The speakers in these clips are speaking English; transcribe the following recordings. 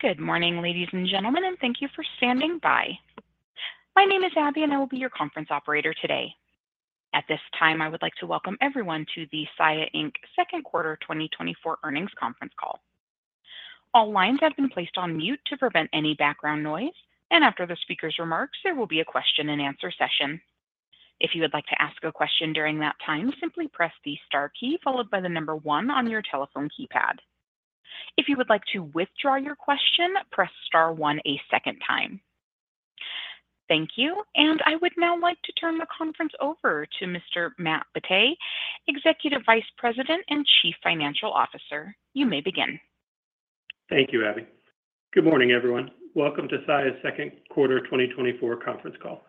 Good morning, ladies and gentlemen, and thank you for standing by. My name is Abby, and I will be your conference operator today. At this time, I would like to welcome everyone to the Saia Inc. Second Quarter 2024 earnings conference call. All lines have been placed on mute to prevent any background noise, and after the speaker's remarks, there will be a question-and-answer session. If you would like to ask a question during that time, simply press the star key followed by the number one on your telephone keypad. If you would like to withdraw your question, press star one a second time. Thank you, and I would now like to turn the conference over to Mr. Matt Batteh, Executive Vice President and Chief Financial Officer. You may begin. Thank you, Abby. Good morning, everyone. Welcome to Saia's Second Quarter 2024 conference call.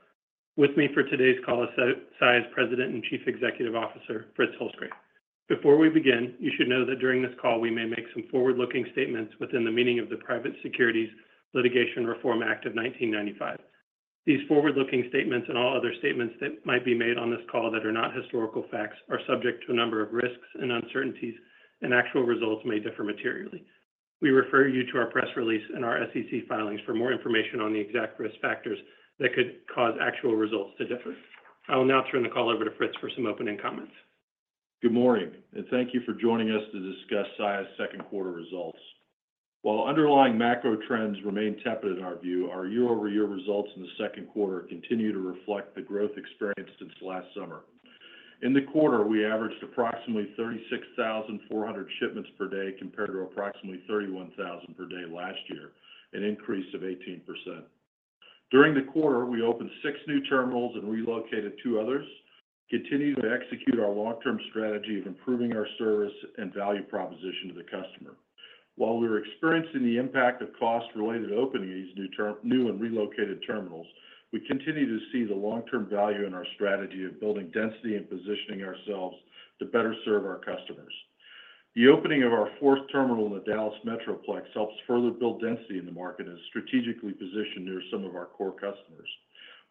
With me for today's call is Saia's President and Chief Executive Officer, Fritz Holzgrefe. Before we begin, you should know that during this call, we may make some forward-looking statements within the meaning of the Private Securities Litigation Reform Act of 1995. These forward-looking statements and all other statements that might be made on this call that are not historical facts are subject to a number of risks and uncertainties, and actual results may differ materially. We refer you to our press release and our SEC filings for more information on the exact risk factors that could cause actual results to differ. I will now turn the call over to Fritz for some opening comments. Good morning, and thank you for joining us to discuss Saia's second quarter results. While underlying macro trends remain tepid in our view, our year-over-year results in the second quarter continue to reflect the growth experienced since last summer. In the quarter, we averaged approximately 36,400 shipments per day compared to approximately 31,000 per day last year, an increase of 18%. During the quarter, we opened six new terminals and relocated two others, continuing to execute our long-term strategy of improving our service and value proposition to the customer. While we were experiencing the impact of cost-related opening these new and relocated terminals, we continue to see the long-term value in our strategy of building density and positioning ourselves to better serve our customers. The opening of our fourth terminal in the Dallas Metroplex helps further build density in the market and is strategically positioned near some of our core customers.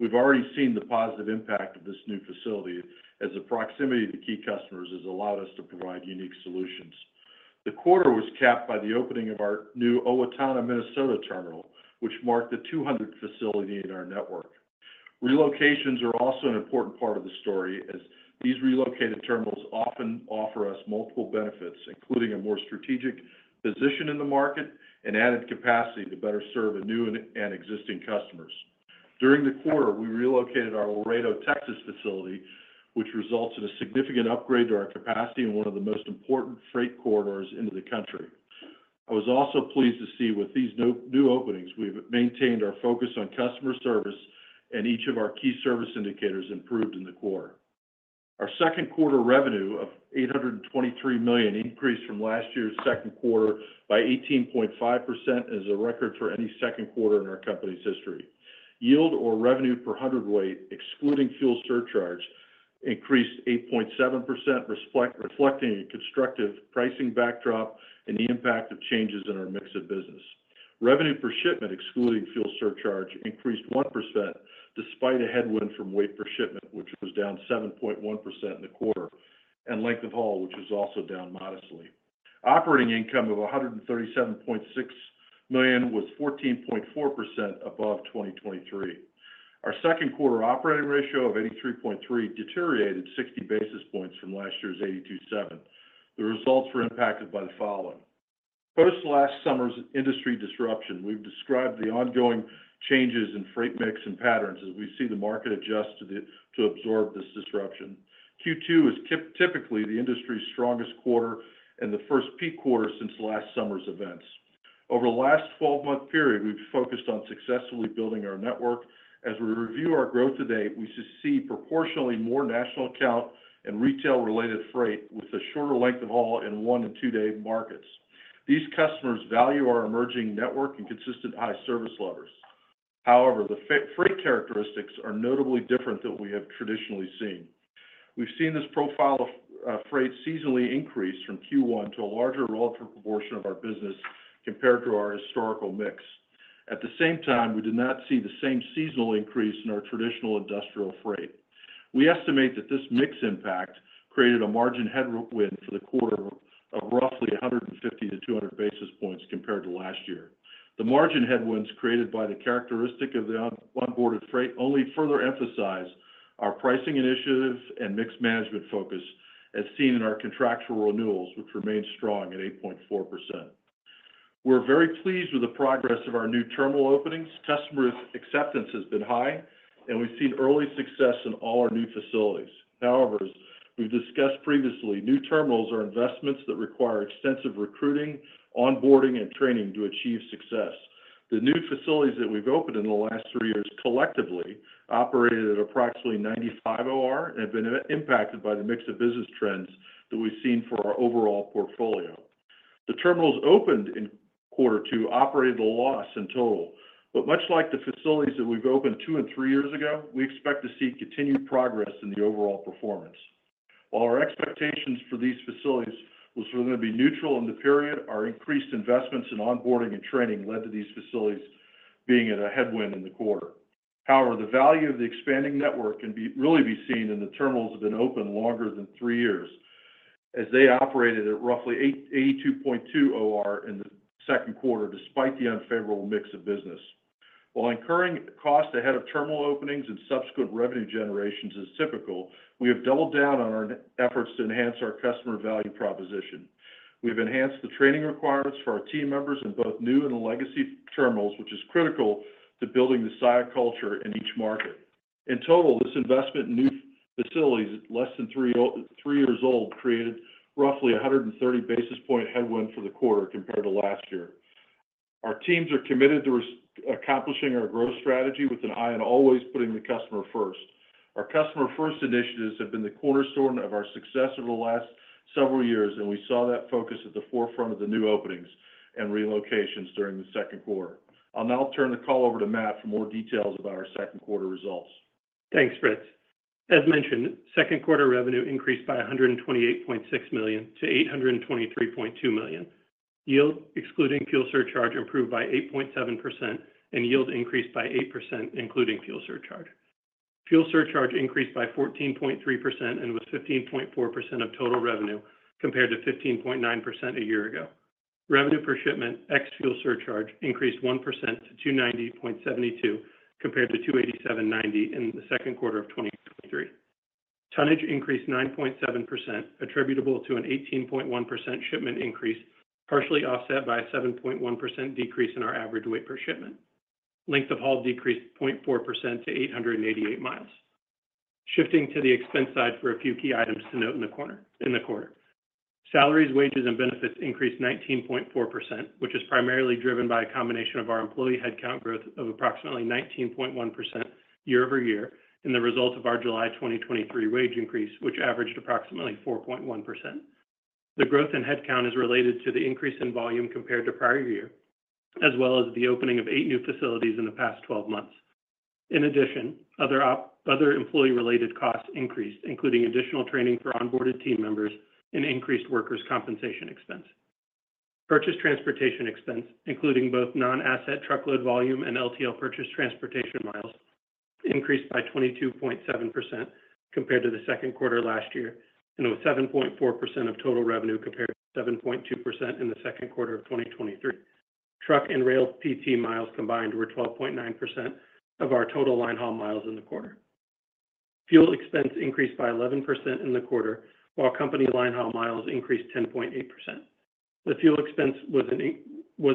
We've already seen the positive impact of this new facility as the proximity to key customers has allowed us to provide unique solutions. The quarter was capped by the opening of our new Owatonna, Minnesota terminal, which marked the 200th facility in our network. Relocations are also an important part of the story, as these relocated terminals often offer us multiple benefits, including a more strategic position in the market and added capacity to better serve new and existing customers. During the quarter, we relocated our Laredo, Texas facility, which resulted in a significant upgrade to our capacity in one of the most important freight corridors in the country. I was also pleased to see with these new openings, we have maintained our focus on customer service, and each of our key service indicators improved in the quarter. Our second quarter revenue of $823 million increased from last year's second quarter by 18.5% and is a record for any second quarter in our company's history. Yield or revenue per hundredweight, excluding fuel surcharge, increased 8.7%, reflecting a constructive pricing backdrop and the impact of changes in our mix of business. Revenue per shipment, excluding fuel surcharge, increased 1% despite a headwind from weight per shipment, which was down 7.1% in the quarter, and length of haul, which was also down modestly. Operating income of $137.6 million was 14.4% above 2023. Our second quarter operating ratio of 83.3 deteriorated 60 basis points from last year's 82.7. The results were impacted by the following. Post last summer's industry disruption, we've described the ongoing changes in freight mix and patterns as we see the market adjust to absorb this disruption. Q2 is typically the industry's strongest quarter and the first peak quarter since last summer's events. Over the last 12-month period, we've focused on successfully building our network. As we review our growth today, we see proportionally more national account and retail-related freight with a shorter length of haul in one and two-day markets. These customers value our emerging network and consistent high service levels. However, the freight characteristics are notably different than we have traditionally seen. We've seen this profile of freight seasonally increase from Q1 to a larger relative proportion of our business compared to our historical mix. At the same time, we did not see the same seasonal increase in our traditional industrial freight. We estimate that this mix impact created a margin headwind for the quarter of roughly 150-200 basis points compared to last year. The margin headwinds created by the characteristic of the onboarded freight only further emphasize our pricing initiative and mix management focus, as seen in our contractual renewals, which remained strong at 8.4%. We're very pleased with the progress of our new terminal openings. Customer acceptance has been high, and we've seen early success in all our new facilities. However, as we've discussed previously, new terminals are investments that require extensive recruiting, onboarding, and training to achieve success. The new facilities that we've opened in the last three years collectively operated at approximately 95 OR and have been impacted by the mix of business trends that we've seen for our overall portfolio. The terminals opened in quarter two operated at a loss in total, but much like the facilities that we've opened two and three years ago, we expect to see continued progress in the overall performance. While our expectations for these facilities were going to be neutral in the period, our increased investments in onboarding and training led to these facilities being at a headwind in the quarter. However, the value of the expanding network can really be seen in the terminals that have been opened longer than three years, as they operated at roughly 82.2 OR in the second quarter despite the unfavorable mix of business. While incurring costs ahead of terminal openings and subsequent revenue generations is typical, we have doubled down on our efforts to enhance our customer value proposition. We have enhanced the training requirements for our team members in both new and legacy terminals, which is critical to building the Saia culture in each market. In total, this investment in new facilities less than three years old created roughly 130 basis points headwind for the quarter compared to last year. Our teams are committed to accomplishing our growth strategy with an eye on always putting the customer first. Our customer-first initiatives have been the cornerstone of our success over the last several years, and we saw that focus at the forefront of the new openings and relocations during the second quarter. I'll now turn the call over to Matt for more details about our second quarter results. Thanks, Fritz. As mentioned, second quarter revenue increased by $128.6 million to $823.2 million. Yield, excluding fuel surcharge, improved by 8.7%, and yield increased by 8%, including fuel surcharge. Fuel surcharge increased by 14.3% and was 15.4% of total revenue compared to 15.9% a year ago. Revenue per shipment, ex fuel surcharge, increased 1% to $290.72 compared to $287.90 in the second quarter of 2023. Tonnage increased 9.7%, attributable to an 18.1% shipment increase, partially offset by a 7.1% decrease in our average weight per shipment. Length of haul decreased 0.4% to 888 miles. Shifting to the expense side for a few key items to note in the quarter. Salaries, wages, and benefits increased 19.4%, which is primarily driven by a combination of our employee headcount growth of approximately 19.1% year-over-year and the result of our July 2023 wage increase, which averaged approximately 4.1%. The growth in headcount is related to the increase in volume compared to prior year, as well as the opening of 8 new facilities in the past 12 months. In addition, other employee-related costs increased, including additional training for onboarded team members and increased workers' compensation expense. Purchase transportation expense, including both non-asset truckload volume and LTL purchase transportation miles, increased by 22.7% compared to the second quarter last year and was 7.4% of total revenue compared to 7.2% in the second quarter of 2023. Truck and rail PT miles combined were 12.9% of our total linehaul miles in the quarter. Fuel expense increased by 11% in the quarter, while company linehaul miles increased 10.8%. The fuel expense was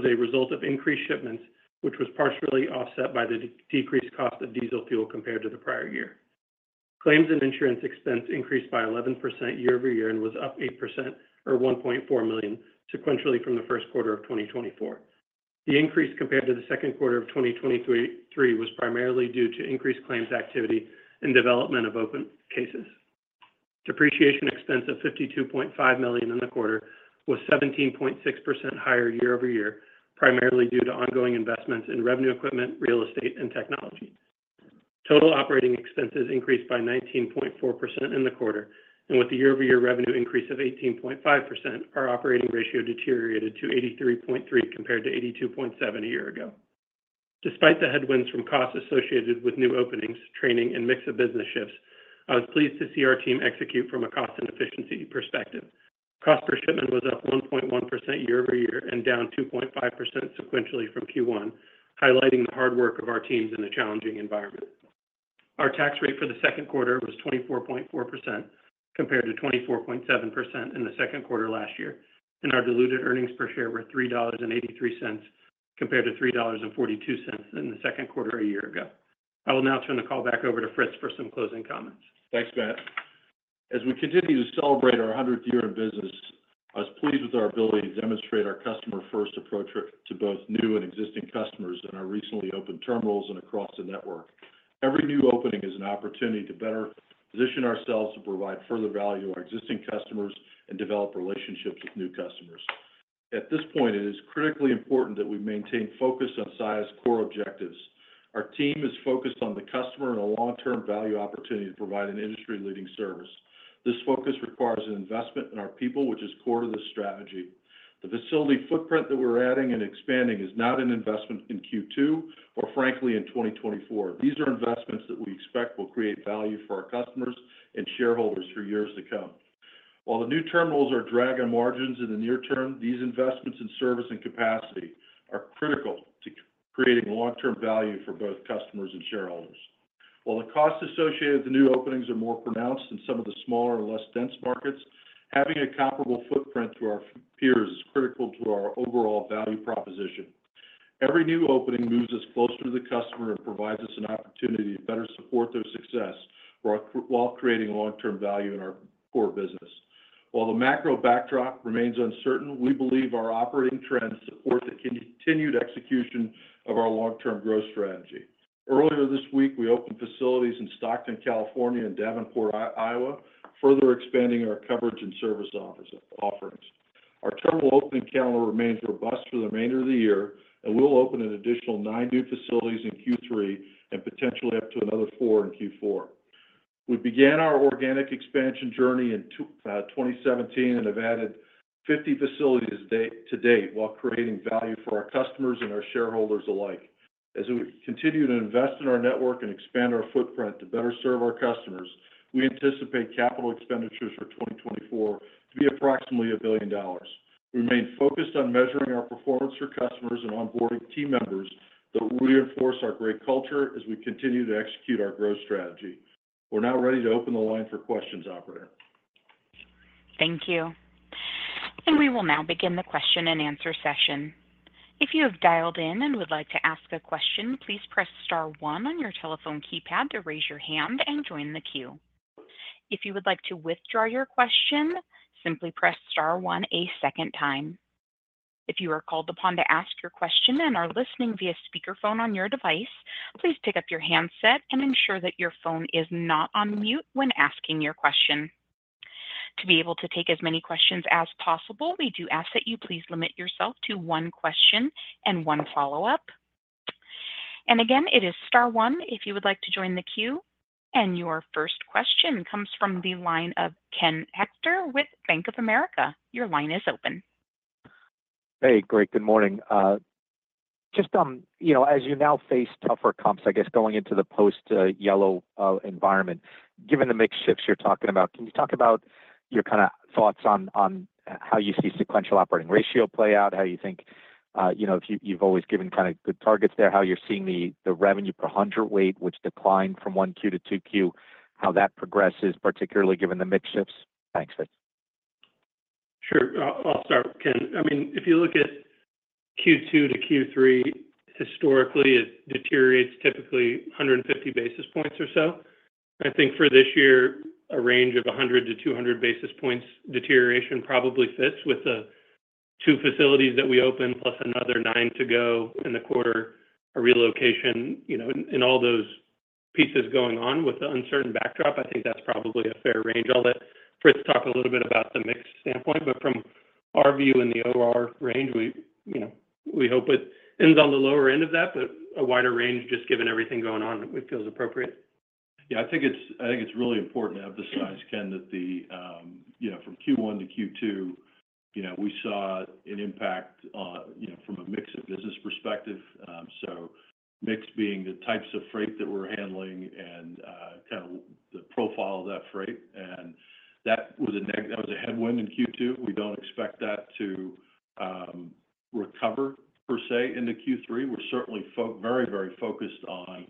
a result of increased shipments, which was partially offset by the decreased cost of diesel fuel compared to the prior year. Claims and Insurance Expense increased by 11% year-over-year and was up 8% or $1.4 million, sequentially from the first quarter of 2024. The increase compared to the second quarter of 2023 was primarily due to increased claims activity and development of open cases. Depreciation Expense of $52.5 million in the quarter was 17.6% higher year-over-year, primarily due to ongoing investments in revenue equipment, real estate, and technology. Total operating expenses increased by 19.4% in the quarter, and with the year-over-year revenue increase of 18.5%, our Operating Ratio deteriorated to 83.3 compared to 82.7 a year ago. Despite the headwinds from costs associated with new openings, training, and mix of business shifts, I was pleased to see our team execute from a cost and efficiency perspective. Cost per shipment was up 1.1% year-over-year and down 2.5% sequentially from Q1, highlighting the hard work of our teams in a challenging environment. Our tax rate for the second quarter was 24.4% compared to 24.7% in the second quarter last year, and our diluted earnings per share were $3.83 compared to $3.42 in the second quarter a year ago. I will now turn the call back over to Fritz for some closing comments. Thanks, Matt. As we continue to celebrate our 100th year in business, I was pleased with our ability to demonstrate our customer-first approach to both new and existing customers in our recently opened terminals and across the network. Every new opening is an opportunity to better position ourselves to provide further value to our existing customers and develop relationships with new customers. At this point, it is critically important that we maintain focus on Saia's core objectives. Our team is focused on the customer and a long-term value opportunity to provide an industry-leading service. This focus requires an investment in our people, which is core to this strategy. The facility footprint that we're adding and expanding is not an investment in Q2 or, frankly, in 2024. These are investments that we expect will create value for our customers and shareholders for years to come. While the new terminals are dragging margins in the near term, these investments in service and capacity are critical to creating long-term value for both customers and shareholders. While the costs associated with the new openings are more pronounced in some of the smaller and less dense markets, having a comparable footprint to our peers is critical to our overall value proposition. Every new opening moves us closer to the customer and provides us an opportunity to better support their success while creating long-term value in our core business. While the macro backdrop remains uncertain, we believe our operating trends support the continued execution of our long-term growth strategy. Earlier this week, we opened facilities in Stockton, California, and Davenport, Iowa, further expanding our coverage and service offerings. Our terminal opening calendar remains robust for the remainder of the year, and we'll open an additional 9 new facilities in Q3 and potentially up to another 4 in Q4. We began our organic expansion journey in 2017 and have added 50 facilities to date while creating value for our customers and our shareholders alike. As we continue to invest in our network and expand our footprint to better serve our customers, we anticipate capital expenditures for 2024 to be approximately $1 billion. We remain focused on measuring our performance for customers and onboarding team members that will reinforce our great culture as we continue to execute our growth strategy. We're now ready to open the line for questions, operator. Thank you. We will now begin the question and answer session. If you have dialed in and would like to ask a question, please press star one on your telephone keypad to raise your hand and join the queue. If you would like to withdraw your question, simply press star one a second time. If you are called upon to ask your question and are listening via speakerphone on your device, please pick up your handset and ensure that your phone is not on mute when asking your question. To be able to take as many questions as possible, we do ask that you please limit yourself to one question and one follow-up. Again, it is star one if you would like to join the queue. Your first question comes from the line of Ken Hoexter with Bank of America. Your line is open. Hey, Greg, good morning. Just as you now face tougher comps, I guess going into the post-Yellow environment, given the mixed shifts you're talking about, can you talk about your kind of thoughts on how you see sequential operating ratio play out, how you think if you've always given kind of good targets there, how you're seeing the revenue per hundredweight, which declined from one Q to two Q, how that progresses, particularly given the mix shifts? Thanks, Fritz. Sure. I'll start, Ken. I mean, if you look at Q2 to Q3, historically, it deteriorates typically 150 basis points or so. I think for this year, a range of 100 to 200 basis points deterioration probably fits with the two facilities that we opened plus another nine to go in the quarter, a relocation, and all those pieces going on with the uncertain backdrop. I think that's probably a fair range. I'll let Fritz talk a little bit about the mix standpoint, but from our view in the OR range, we hope it ends on the lower end of that, but a wider range, just given everything going on, it feels appropriate. Yeah, I think it's really important to emphasize, Ken, that from Q1 to Q2, we saw an impact from a mixed business perspective. So mixed being the types of freight that we're handling and kind of the profile of that freight. That was a headwind in Q2. We don't expect that to recover, per se, into Q3. We're certainly very, very focused on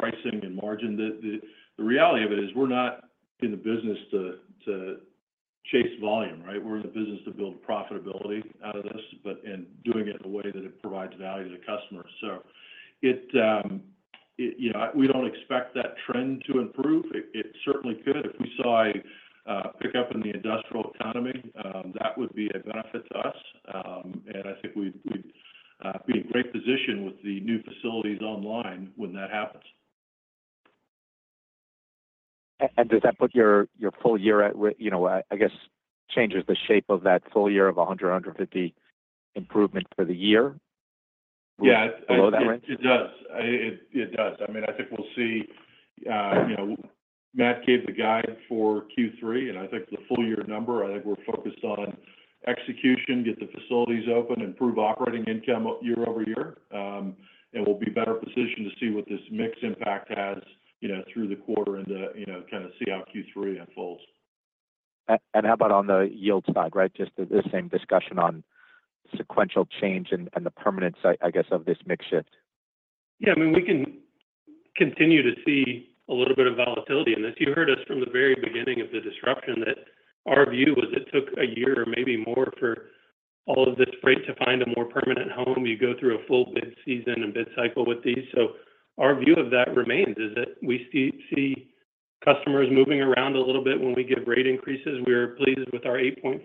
pricing and margin. The reality of it is we're not in the business to chase volume, right? We're in the business to build profitability out of this and doing it in a way that it provides value to the customer. So we don't expect that trend to improve. It certainly could. If we saw a pickup in the industrial economy, that would be a benefit to us. And I think we'd be in great position with the new facilities online when that happens. Does that put your full year at, I guess, changes the shape of that full year of 100, 150 improvement for the year? Yeah, it does. It does. I mean, I think we'll see. Matt gave the guide for Q3, and I think the full year number. I think we're focused on execution, get the facilities open, improve operating income year-over-year, and we'll be better positioned to see what this mixed impact has through the quarter and kind of see how Q3 unfolds. How about on the yield side, right? Just the same discussion on sequential change and the permanence, I guess, of this mix shift. Yeah, I mean, we can continue to see a little bit of volatility in this. You heard us from the very beginning of the disruption that our view was it took a year or maybe more for all of this freight to find a more permanent home. You go through a full bid season and bid cycle with these. So our view of that remains is that we see customers moving around a little bit when we give rate increases. We are pleased with our 8.4%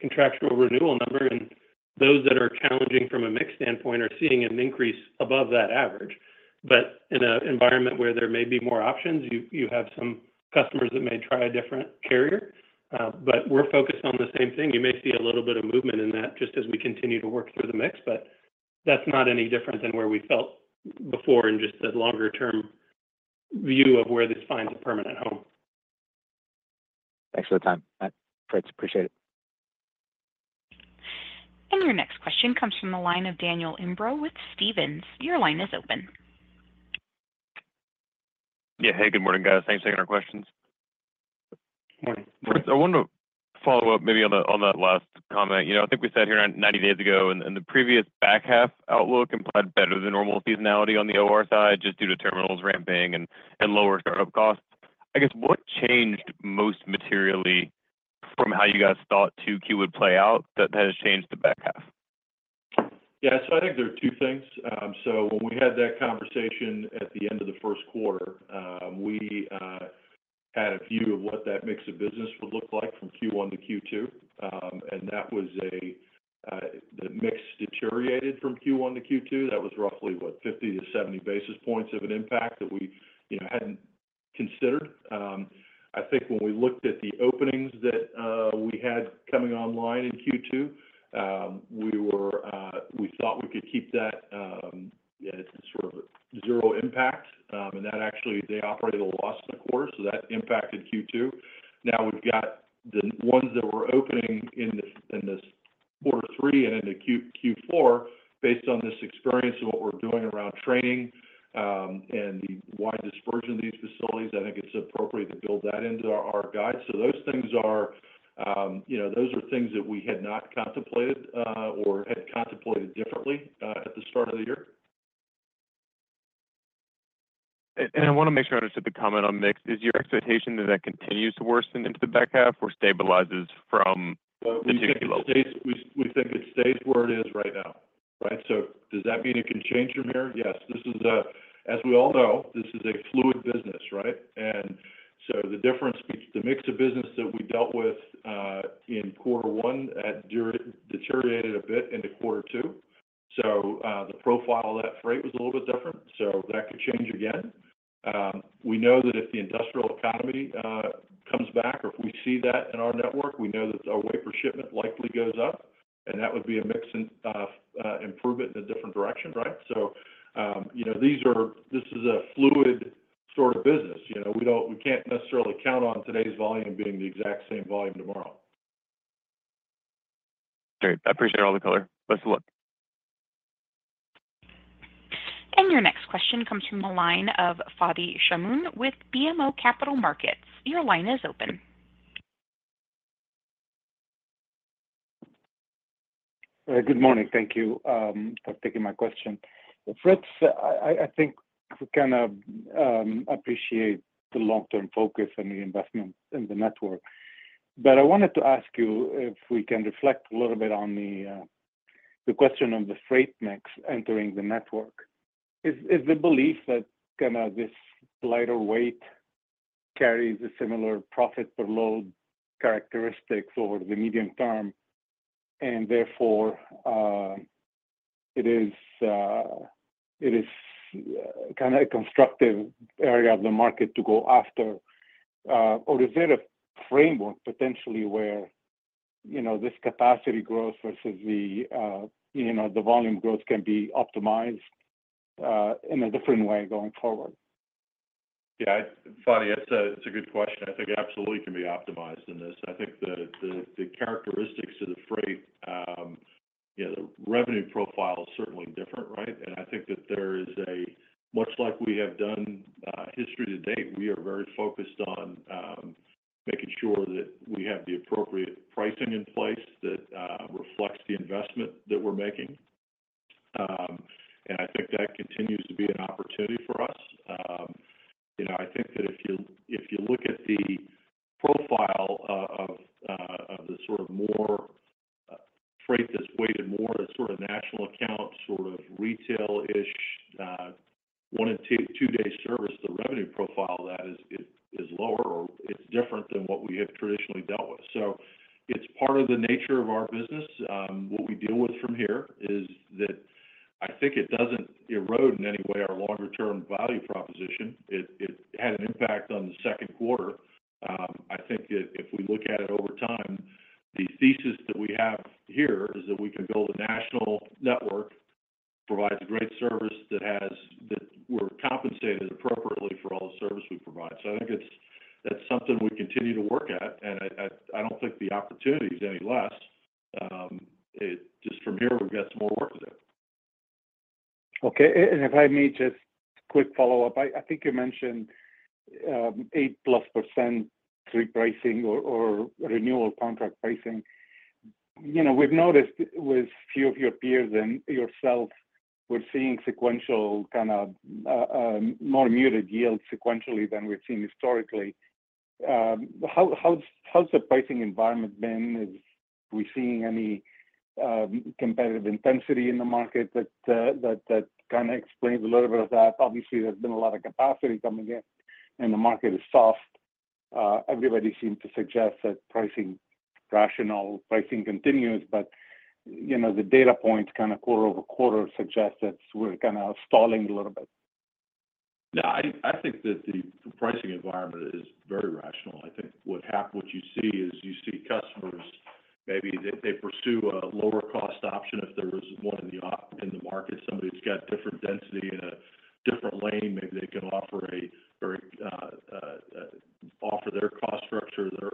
contractual renewal number, and those that are challenging from a mixed standpoint are seeing an increase above that average. But in an environment where there may be more options, you have some customers that may try a different carrier. But we're focused on the same thing. You may see a little bit of movement in that just as we continue to work through the mix, but that's not any different than where we felt before in just a longer-term view of where this finds a permanent home. Thanks for the time, Matt. Fritz, appreciate it. Your next question comes from the line of Daniel Imbro with Stephens. Your line is open. Yeah, hey, good morning, guys. Thanks for taking our questions. Morning. Morning. I want to follow up maybe on that last comment. I think we sat here 90 days ago, and the previous back half outlook implied better than normal seasonality on the OR side just due to terminals ramping and lower startup costs. I guess what changed most materially from how you guys thought Q2 would play out that has changed the back half? Yeah, so I think there are two things. So when we had that conversation at the end of the first quarter, we had a view of what that mix of business would look like from Q1 to Q2. And that was the mix deteriorated from Q1 to Q2. That was roughly, what, 50-70 basis points of an impact that we hadn't considered. I think when we looked at the openings that we had coming online in Q2, we thought we could keep that sort of 0 impact. And that actually, they operated a loss in the quarter, so that impacted Q2. Now we've got the ones that were opening in this quarter three and into Q4, based on this experience and what we're doing around training and the wide dispersion of these facilities, I think it's appropriate to build that into our guide. So those things are things that we had not contemplated or had contemplated differently at the start of the year. I want to make sure I understood the comment on mix. Is your expectation that that continues to worsen into the back half or stabilizes from the two-year level? We think it stays where it is right now, right? So does that mean it can change from here? Yes. As we all know, this is a fluid business, right? And so the difference, the mix of business that we dealt with in quarter one deteriorated a bit into quarter two. So the profile of that freight was a little bit different. So that could change again. We know that if the industrial economy comes back or if we see that in our network, we know that our weight per shipment likely goes up, and that would be a mix improvement in a different direction, right? So this is a fluid sort of business. We can't necessarily count on today's volume being the exact same volume tomorrow. Great. I appreciate all the color. Best of luck. Your next question comes from the line of Fadi Chamoun with BMO Capital Markets. Your line is open. Good morning. Thank you for taking my question. Fritz, I think we kind of appreciate the long-term focus and the investment in the network. But I wanted to ask you if we can reflect a little bit on the question of the freight mix entering the network. Is the belief that kind of this lighter weight carries a similar profit per load characteristics over the medium term, and therefore it is kind of a constructive area of the market to go after? Or is there a framework potentially where this capacity growth versus the volume growth can be optimized in a different way going forward? Yeah, Fadi, it's a good question. I think it absolutely can be optimized in this. I think the characteristics of the freight, the revenue profile is certainly different, right? And I think that there is a much like we have done history to date, we are very focused on making sure that we have the appropriate pricing in place that reflects the investment that we're making. And I think that continues to be an opportunity for us. I think that if you look at the profile of the sort of more freight that's weighted more, that sort of national account, sort of retail-ish, 1- and 2-day service, the revenue profile of that is lower or it's different than what we have traditionally dealt with. So it's part of the nature of our business. What we deal with from here is that I think it doesn't erode in any way our longer-term value proposition. It had an impact on the second quarter. I think that if we look at it over time, the thesis that we have here is that we can build a national network, provide great service that we're compensated appropriately for all the service we provide. So I think that's something we continue to work at, and I don't think the opportunity is any less. Just from here, we've got some more work to do. Okay. And if I may just quick follow-up, I think you mentioned 8%+ repricing or renewal contract pricing. We've noticed with a few of your peers and yourself, we're seeing sequential kind of more muted yields sequentially than we've seen historically. How's the pricing environment been? Are we seeing any competitive intensity in the market that kind of explains a little bit of that? Obviously, there's been a lot of capacity coming in, and the market is soft. Everybody seems to suggest that pricing rational, pricing continues, but the data points kind of quarter-over-quarter suggest that we're kind of stalling a little bit. Yeah, I think that the pricing environment is very rational. I think what you see is you see customers, maybe they pursue a lower-cost option if there is one in the market, somebody who's got different density in a different lane. Maybe they can offer a very offer their cost structure, their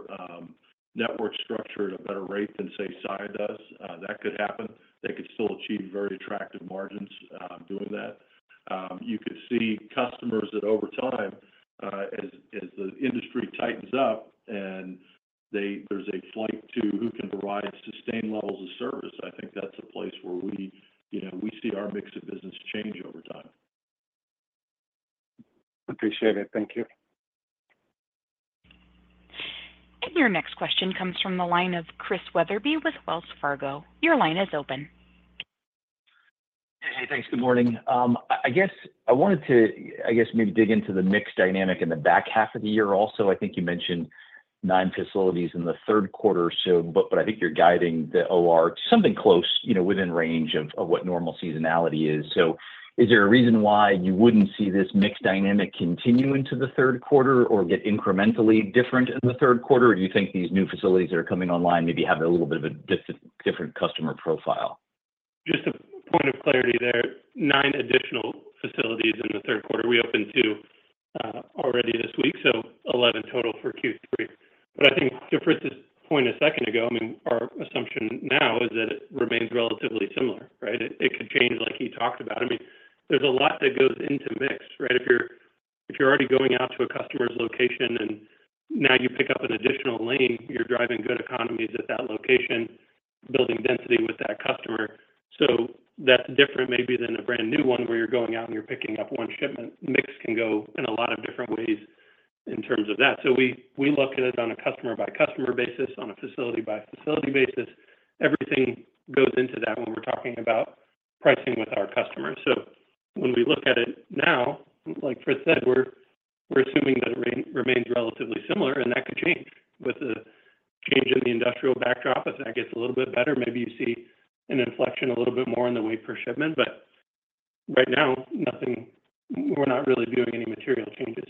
network structure at a better rate than, say, Saia does. That could happen. They could still achieve very attractive margins doing that. You could see customers that over time, as the industry tightens up and there's a flight to who can provide sustained levels of service, I think that's a place where we see our mix of business change over time. Appreciate it. Thank you. Your next question comes from the line of Chris Wetherbee with Wells Fargo. Your line is open. Hey, thanks. Good morning. I guess I wanted to, I guess, maybe dig into the mixed dynamic in the back half of the year also. I think you mentioned nine facilities in the third quarter, but I think you're guiding the OR to something close within range of what normal seasonality is. So is there a reason why you wouldn't see this mixed dynamic continue into the third quarter or get incrementally different in the third quarter? Or do you think these new facilities that are coming online maybe have a little bit of a different customer profile? Just a point of clarity there. Nine additional facilities in the third quarter. We opened two already this week, so 11 total for Q3. But I think to Fritz's point a second ago, I mean, our assumption now is that it remains relatively similar, right? It could change like he talked about. I mean, there's a lot that goes into mix, right? If you're already going out to a customer's location and now you pick up an additional lane, you're driving good economies at that location, building density with that customer. So that's different maybe than a brand new one where you're going out and you're picking up one shipment. Mix can go in a lot of different ways in terms of that. So we look at it on a customer-by-customer basis, on a facility-by-facility basis. Everything goes into that when we're talking about pricing with our customers. So when we look at it now, like Fritz said, we're assuming that it remains relatively similar, and that could change with the change in the industrial backdrop. If that gets a little bit better, maybe you see an inflection a little bit more in the weight per shipment. But right now, we're not really viewing any material changes.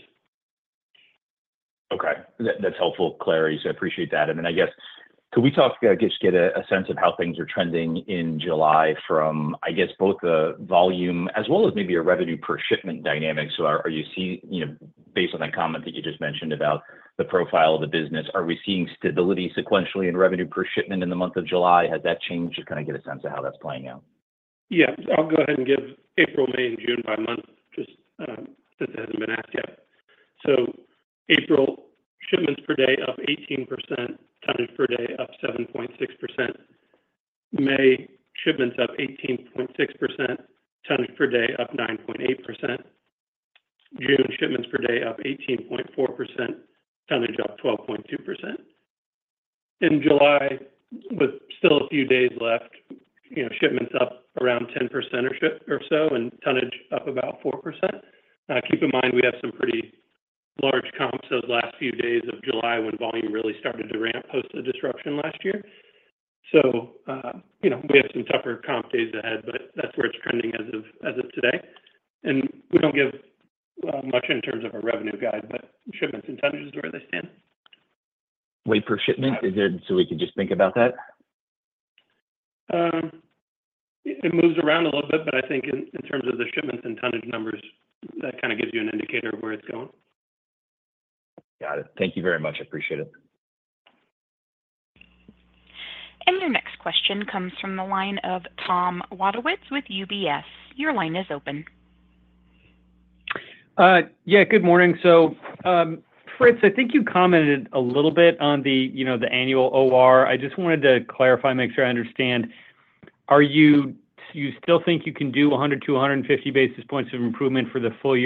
Okay. That's helpful clarity. So I appreciate that. And then I guess, just get a sense of how things are trending in July from, I guess, both the volume as well as maybe a revenue per shipment dynamic? So are you seeing, based on that comment that you just mentioned about the profile of the business, are we seeing stability sequentially in revenue per shipment in the month of July? Has that changed? Just kind of get a sense of how that's playing out. Yeah. I'll go ahead and give April, May, and June by month just since it hasn't been asked yet. So April, shipments per day up 18%, tonnage per day up 7.6%. May, shipments up 18.6%, tonnage per day up 9.8%. June, shipments per day up 18.4%, tonnage up 12.2%. In July, with still a few days left, shipments up around 10% or so and tonnage up about 4%. Keep in mind, we have some pretty large comps those last few days of July when volume really started to ramp post the disruption last year. So we have some tougher comp days ahead, but that's where it's trending as of today. And we don't give much in terms of our revenue guide, but shipments and tonnage is where they stand. Wafer shipment? So we could just think about that? It moves around a little bit, but I think in terms of the shipments and tonnage numbers, that kind of gives you an indicator of where it's going. Got it. Thank you very much. I appreciate it. Your next question comes from the line of Tom Wadewitz with UBS. Your line is open. Yeah, good morning. So Fritz, I think you commented a little bit on the annual OR. I just wanted to clarify, make sure I understand. Are you still think you can do 100-150 basis points of improvement for the full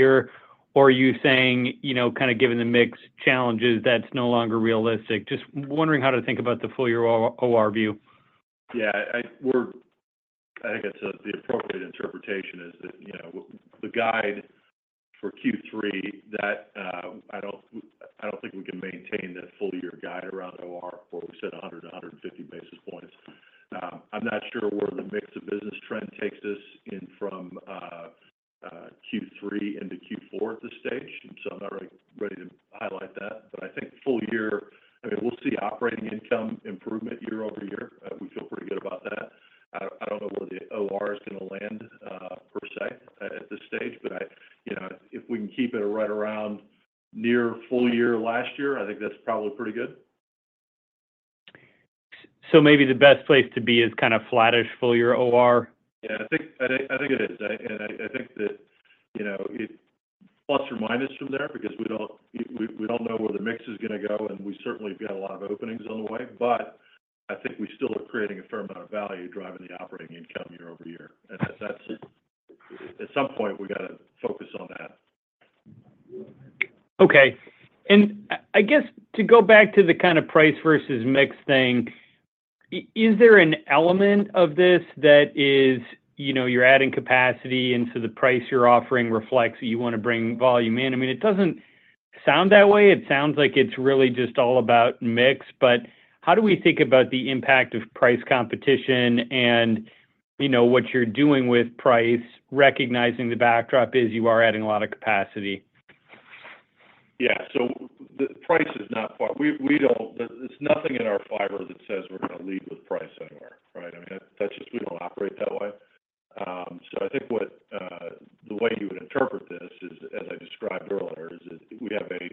year, or are you saying, kind of given the mix challenges, that's no longer realistic? Just wondering how to think about the full-year OR view. Yeah. I think the appropriate interpretation is that the guide for Q3. I don't think we can maintain that full-year guide around OR where we said 100-150 basis points. I'm not sure where the mix of business trend takes us in from Q3 into Q4 at this stage. So I'm not ready to highlight that. But I think full year, I mean, we'll see operating income improvement year-over-year. We feel pretty good about that. I don't know where the OR is going to land per se at this stage, but if we can keep it right around near full year last year, I think that's probably pretty good. Maybe the best place to be is kind of flattish full-year OR? Yeah. I think it is. And I think that it plus or minus from there because we don't know where the mix is going to go, and we certainly have got a lot of openings on the way. But I think we still are creating a fair amount of value driving the operating income year-over-year. And at some point, we got to focus on that. Okay. And I guess to go back to the kind of price versus mix thing, is there an element of this that is you're adding capacity and so the price you're offering reflects that you want to bring volume in? I mean, it doesn't sound that way. It sounds like it's really just all about mix. But how do we think about the impact of price competition and what you're doing with price, recognizing the backdrop is you are adding a lot of capacity? Yeah. So the price is not part. It's nothing in our fiber that says we're going to lead with price anywhere, right? I mean, that's just we don't operate that way. So I think the way you would interpret this, as I described earlier, is that we have a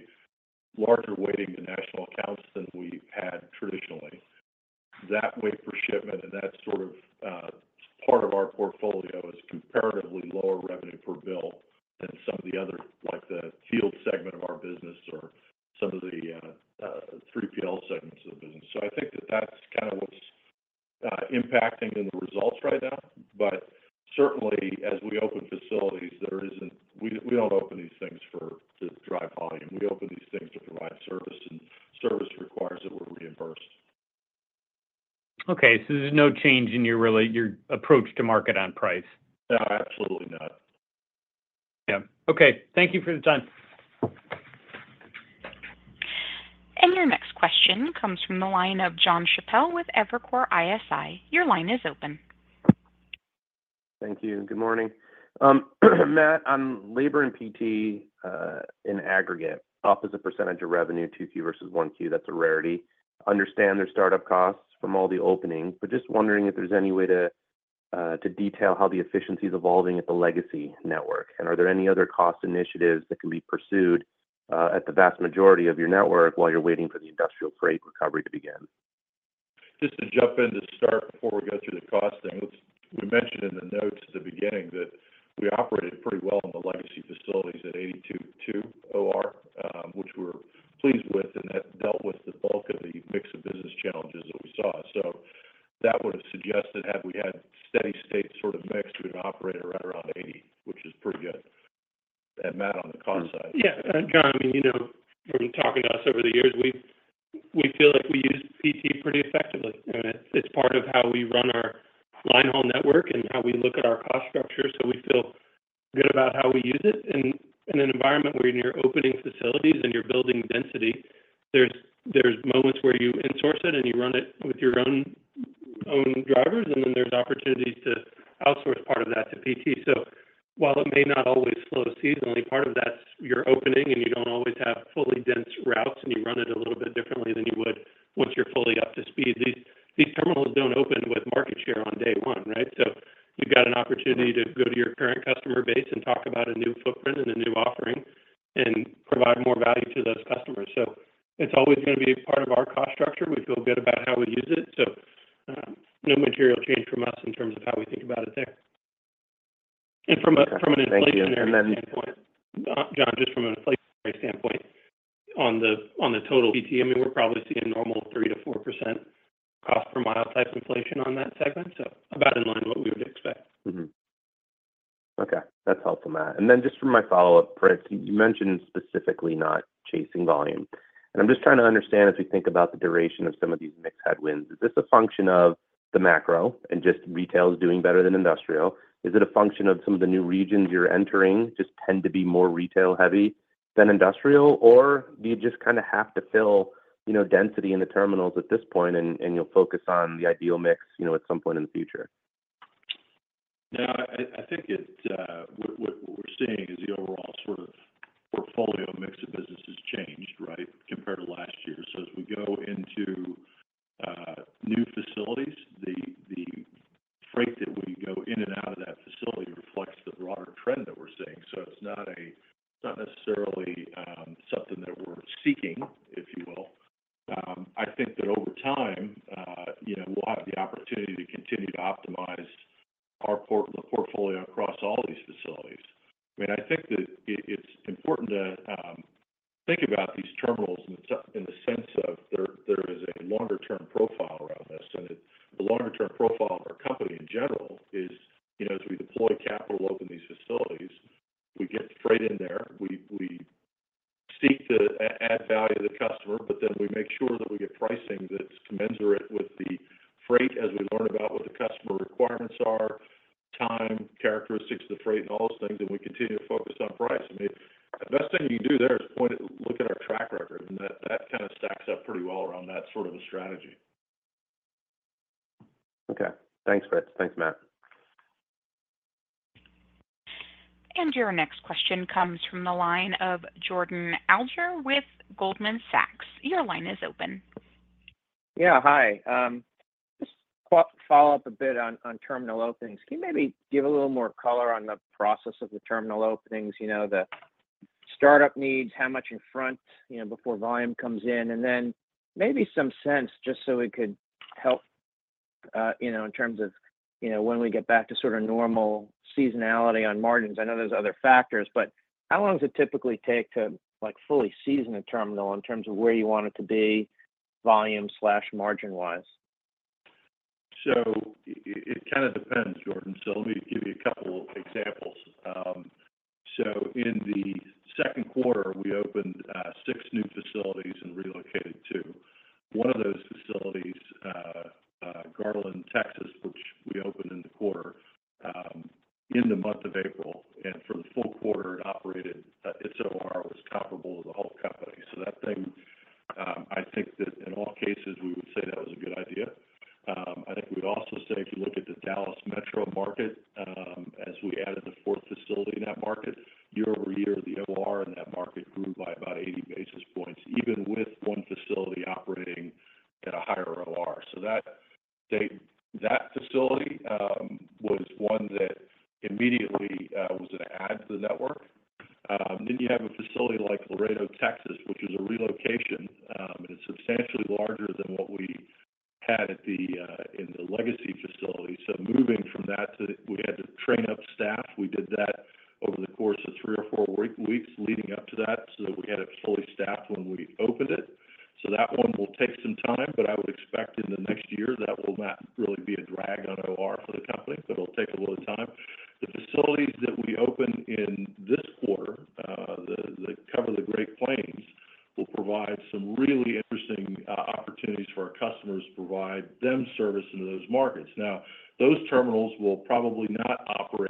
larger weighting to national accounts than we had traditionally. That wafer shipment and that sort of part of our portfolio is comparatively lower revenue per bill than some of the other, like the field segment of our business or some of the 3PL segments of the business. So I think that that's kind of what's impacting in the results right now. But certainly, as we open facilities, we don't open these things to drive volume. We open these things to provide service, and service requires that we're reimbursed. Okay. So there's no change in your approach to market on price? No, absolutely not. Yeah. Okay. Thank you for the time. Your next question comes from the line of Jonathan Chappell with Evercore ISI. Your line is open. Thank you. Good morning. Matt, on labor and PT in aggregate off as a percentage of revenue, 2Q versus 1Q. That's a rarity. Understand their startup costs from all the openings, but just wondering if there's any way to detail how the efficiency is evolving at the legacy network. Are there any other cost initiatives that can be pursued at the vast majority of your network while you're waiting for the industrial freight recovery to begin? Just to jump in to start before we go through the cost thing, we mentioned in the notes at the beginning that we operated pretty well in the legacy facilities at 82.2 OR, which we were pleased with, and that dealt with the bulk of the mix of business challenges that we saw. So that would have suggested had we had steady-state sort of mix, we would operate at right around 80, which is pretty good. And Matt on the cost side. Yeah. John, I mean, from talking to us over the years, we feel like we use PT pretty effectively. And it's part of how we run our linehaul network and how we look at our cost structure. So we feel good about how we use it. And in an environment where you're opening facilities and you're building density, there's moments where you insource it and you run it with your own drivers, and then there's opportunities to outsource part of that to PT. So while it may not always flow seasonally, part of that's you're opening and you don't always have fully dense routes, and you run it a little bit differently than you would once you're fully up to speed. These terminals don't open with market share on day one, right? So you've got an opportunity to go to your current customer base and talk about a new footprint and a new offering and provide more value to those customers. So it's always going to be part of our cost structure. We feel good about how we use it. So no material change from us in terms of how we think about it there. And from an inflationary standpoint, John, just from an inflationary standpoint on the total. PT, I mean, we're probably seeing normal 3%-4% cost per mile type inflation on that segment. So about in line with what we would expect. Okay. That's helpful, Matt. And then just for my follow-up, Fritz, you mentioned specifically not chasing volume. And I'm just trying to understand as we think about the duration of some of these mixed headwinds. Is this a function of the macro and just retail is doing better than industrial? Is it a function of some of the new regions you're entering just tend to be more retail-heavy than industrial, or do you just kind of have to fill density in the terminals at this point and you'll focus on the ideal mix at some point in the future? No, I think what we're seeing is the overall sort of portfolio mix of business has changed, right, compared to last year. So as we go into new facilities, the freight that we go in and out of that facility reflects the broader trend that we're seeing. So it's not necessarily something that we're seeking, if you will. I think that over time, we'll have the opportunity to continue to optimize our portfolio across all these facilities. I mean, I think that it's important to think about these terminals in the sense of there is a longer-term profile around this. And the longer-term profile of our company in general is as we deploy capital open these facilities, we get freight in there. We seek to add value to the customer, but then we make sure that we get pricing that's commensurate with the freight as we learn about what the customer requirements are, time, characteristics of the freight, and all those things, and we continue to focus on price. I mean, the best thing you can do there is look at our track record, and that kind of stacks up pretty well around that sort of a strategy. Okay. Thanks, Fritz. Thanks, Matt. Your next question comes from the line of Jordan Alliger with Goldman Sachs. Your line is open. Yeah. Hi. Just follow up a bit on terminal openings. Can you maybe give a little more color on the process of the terminal openings, the startup needs, how much in front before volume comes in, and then maybe some sense just so we could help in terms of when we get back to sort of normal seasonality on margins? I know there's other factors, but how long does it typically take to fully season a terminal in terms of where you want it to be, volume/margin-wise? So it kind of depends, Jordan. So let me give you a couple of examples. So in the second quarter, we opened six new facilities and relocated two. One of those facilities, Garland, Texas, which we opened in the quarter in the month of April. And for the full quarter, it operated. Its OR was comparable to the whole company. So that thing, I think that in all cases, we would say that was a good idea. I think we'd also say if you look at the Dallas Metroplex market, as we added the fourth facility in that market, year-over-year, the OR in that market grew by about 80 basis points, even with one facility operating at a higher OR. So that facility was one that immediately was an add to the network. Then you have a facility like Laredo, Texas, which was a relocation. It's substantially larger than what we had in the legacy facility. So moving from that to we had to train up staff. We did that over the course of three or four weeks leading up to that. So we had it fully staffed when we opened it. So that one will take some time, but I would expect in the next year that will not really be a drag on OR for the company, but it'll take a little time. The facilities that we open in this quarter that cover the Great Plains will provide some really interesting opportunities for our customers to provide them service into those markets. Now, those terminals will probably not operate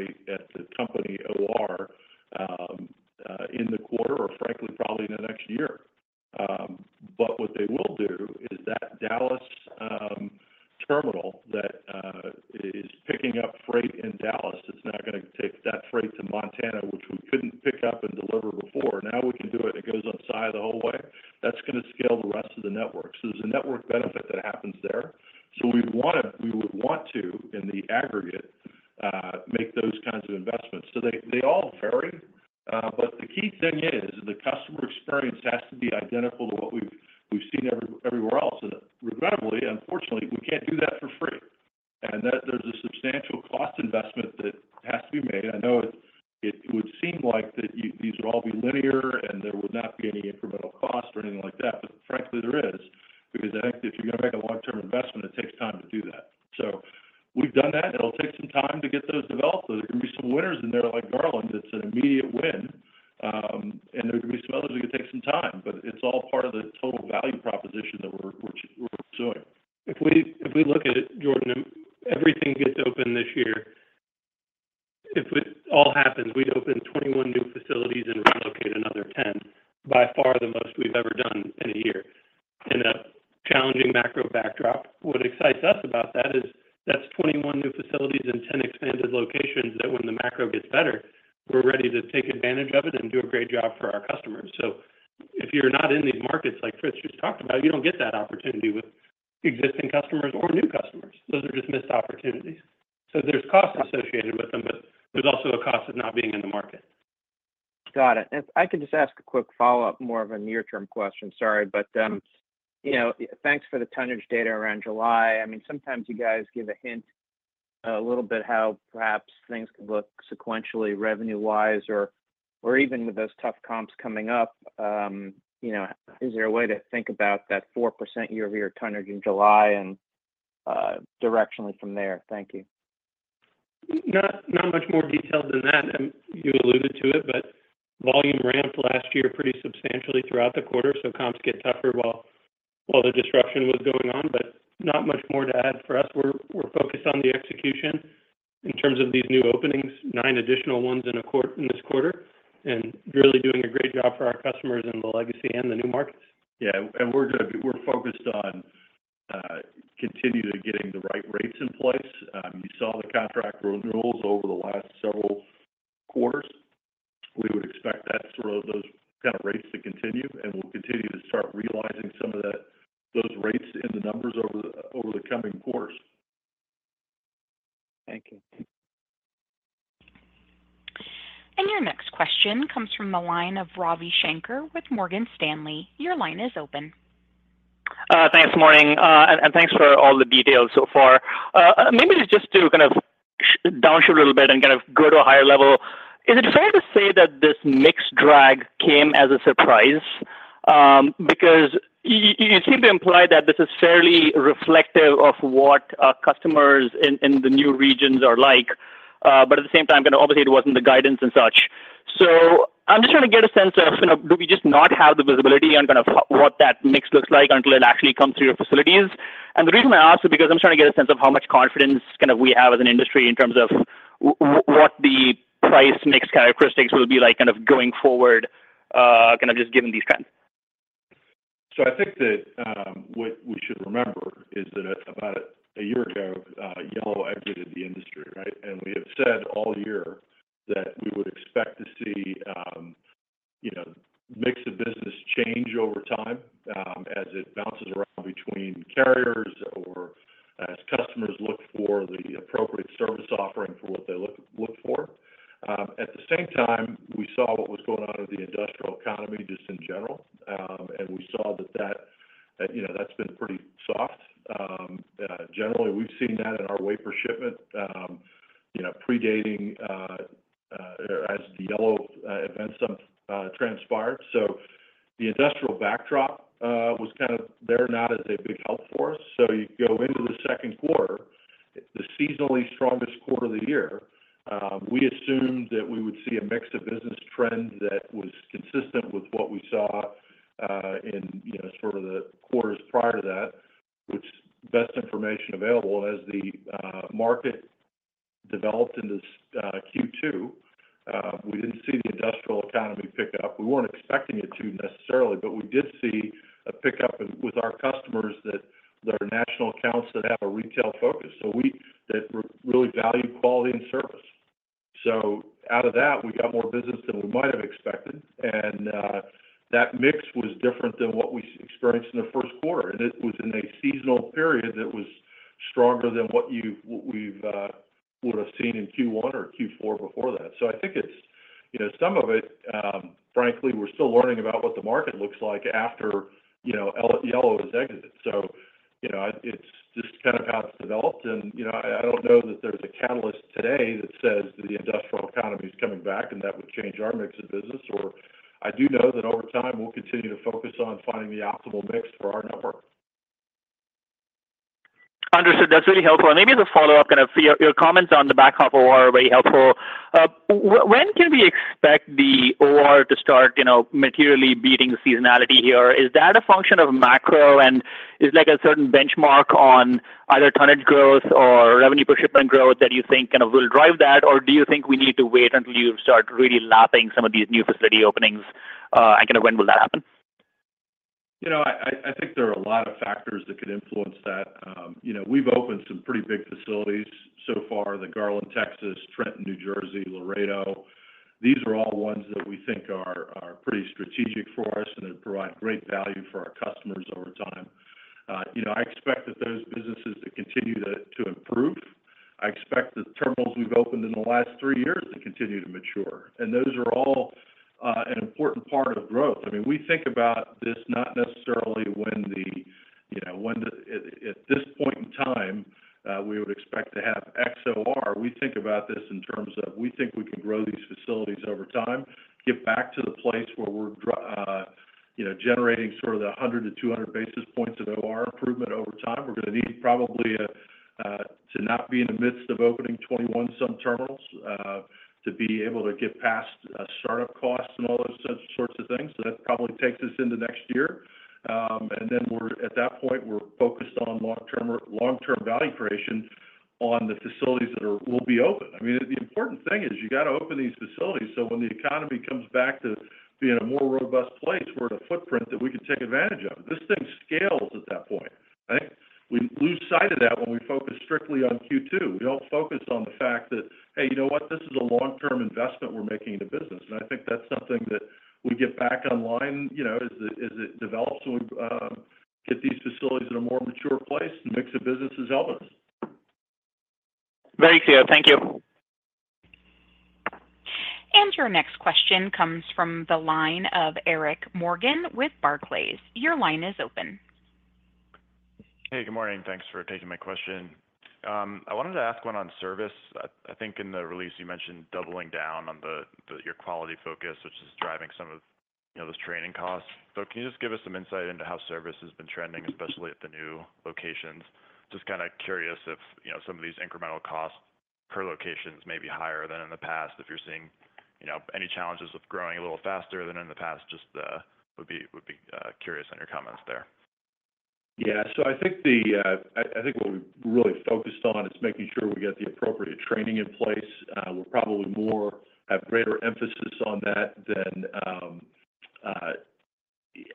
not much more to add for us. We're focused on the execution in terms of these new openings, nine additional ones in this quarter, and really doing a great job for our customers in the legacy and the new markets. Yeah. And we're focused on continuing to get the right rates in place. You saw the contract renewals over the last several quarters. We would expect that sort of those kind of rates to continue, and we'll continue to start realizing some of those rates in the numbers over the coming quarters. Thank you. Your next question comes from the line of Ravi Shanker with Morgan Stanley. Your line is open. Thanks, Matt. Thanks for all the details so far. Maybe just to kind of downshift a little bit and kind of go to a higher level, is it fair to say that this mixed drag came as a surprise? Because you seem to imply that this is fairly reflective of what customers in the new regions are like, but at the same time, obviously, it wasn't the guidance and such. So I'm just trying to get a sense of, do we just not have the visibility on kind of what that mix looks like until it actually comes through your facilities? And the reason I ask is because I'm just trying to get a sense of how much confidence kind of we have as an industry in terms of what the price mix characteristics will be like kind of going forward, kind of just given these trends. So I think that what we should remember is that about a year ago, Yellow exited the industry, right? And we have said all year that we would expect to see mix of business change over time as it bounces around between carriers or as customers look for the appropriate service offering for what they look for. At the same time, we saw what was going on in the industrial economy just in general, and we saw that that's been pretty soft. Generally, we've seen that in our weight per shipment pre-dating as the Yellow events transpired. So the industrial backdrop was kind of there not as a big help for us. So, you go into the second quarter, the seasonally strongest quarter of the year. We assumed that we would see a mix of business trend that was consistent with what we saw in sort of the quarters prior to that, which was the best information available as the market developed into Q2. We didn't see the industrial economy pick up. We weren't expecting it to necessarily, but we did see a pick up with our customers that are national accounts that have a retail focus. So, those that really value quality and service. So, out of that, we got more business than we might have expected. And that mix was different than what we experienced in the first quarter. And it was in a seasonal period that was stronger than what we would have seen in Q1 or Q4 before that. So I think it's some of it, frankly, we're still learning about what the market looks like after Yellow has exited. So it's just kind of how it's developed. And I don't know that there's a catalyst today that says that the industrial economy is coming back and that would change our mix of business. Or I do know that over time, we'll continue to focus on finding the optimal mix for our number. Understood. That's really helpful. Maybe as a follow-up, kind of your comments on the backup OR are very helpful. When can we expect the OR to start materially beating the seasonality here? Is that a function of macro and is there a certain benchmark on either tonnage growth or revenue per shipment growth that you think kind of will drive that, or do you think we need to wait until you start really lapping some of these new facility openings? Kind of when will that happen? I think there are a lot of factors that could influence that. We've opened some pretty big facilities so far: the Garland, Texas, Trenton, New Jersey, Laredo. These are all ones that we think are pretty strategic for us and that provide great value for our customers over time. I expect that those businesses that continue to improve. I expect the terminals we've opened in the last 3 years to continue to mature. And those are all an important part of growth. I mean, we think about this not necessarily when the at this point in time, we would expect to have OR. We think about this in terms of we think we can grow these facilities over time, get back to the place where we're generating sort of the 100-200 basis points of OR improvement over time. We're going to need probably to not be in the midst of opening 21-some terminals to be able to get past startup costs and all those sorts of things. So that probably takes us into next year. And then at that point, we're focused on long-term value creation on the facilities that will be open. I mean, the important thing is you got to open these facilities so when the economy comes back to being a more robust place, we're at a footprint that we can take advantage of. This thing scales at that point. I think we lose sight of that when we focus strictly on Q2. We don't focus on the fact that, "Hey, you know what? This is a long-term investment we're making into business." I think that's something that we get back online as it develops and we get these facilities in a more mature place, and mix of businesses help us. Very clear. Thank you. Your next question comes from the line of Eric Morgan with Barclays. Your line is open. Hey, good morning. Thanks for taking my question. I wanted to ask one on service. I think in the release, you mentioned doubling down on your quality focus, which is driving some of those training costs. So can you just give us some insight into how service has been trending, especially at the new locations? Just kind of curious if some of these incremental costs per locations may be higher than in the past. If you're seeing any challenges with growing a little faster than in the past, just would be curious on your comments there. Yeah. So I think what we really focused on is making sure we get the appropriate training in place. We'll probably have greater emphasis on that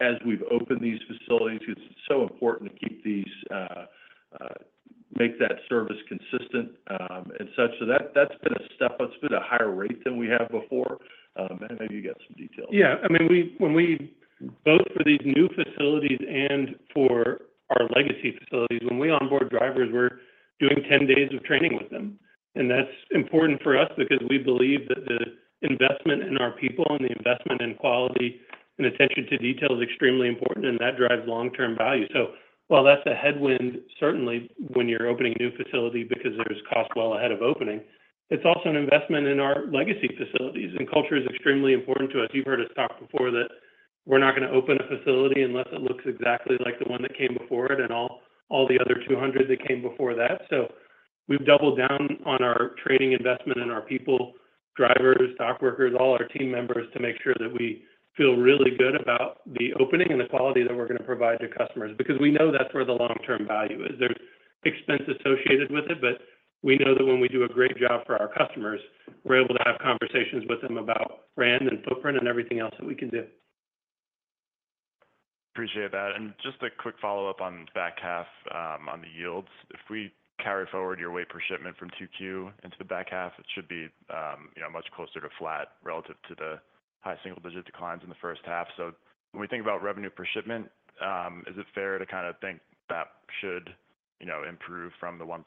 as we've opened these facilities because it's so important to make that service consistent and such. So that's been a step up. It's been a higher rate than we had before. Maybe you got some details. Yeah. I mean, both for these new facilities and for our legacy facilities, when we onboard drivers, we're doing 10 days of training with them. And that's important for us because we believe that the investment in our people and the investment in quality and attention to detail is extremely important, and that drives long-term value. So while that's a headwind, certainly when you're opening a new facility because there's cost well ahead of opening, it's also an investment in our legacy facilities. And culture is extremely important to us. You've heard us talk before that we're not going to open a facility unless it looks exactly like the one that came before it and all the other 200 that came before that. So we've doubled down on our training investment in our people, drivers, dock workers, all our team members to make sure that we feel really good about the opening and the quality that we're going to provide to customers because we know that's where the long-term value is. There's expense associated with it, but we know that when we do a great job for our customers, we're able to have conversations with them about brand and footprint and everything else that we can do. Appreciate that. And just a quick follow-up on the back half on the yields. If we carry forward your weight per shipment from Q2 into the back half, it should be much closer to flat relative to the high single-digit declines in the first half. So when we think about revenue per shipment, is it fair to kind of think that should improve from the 1%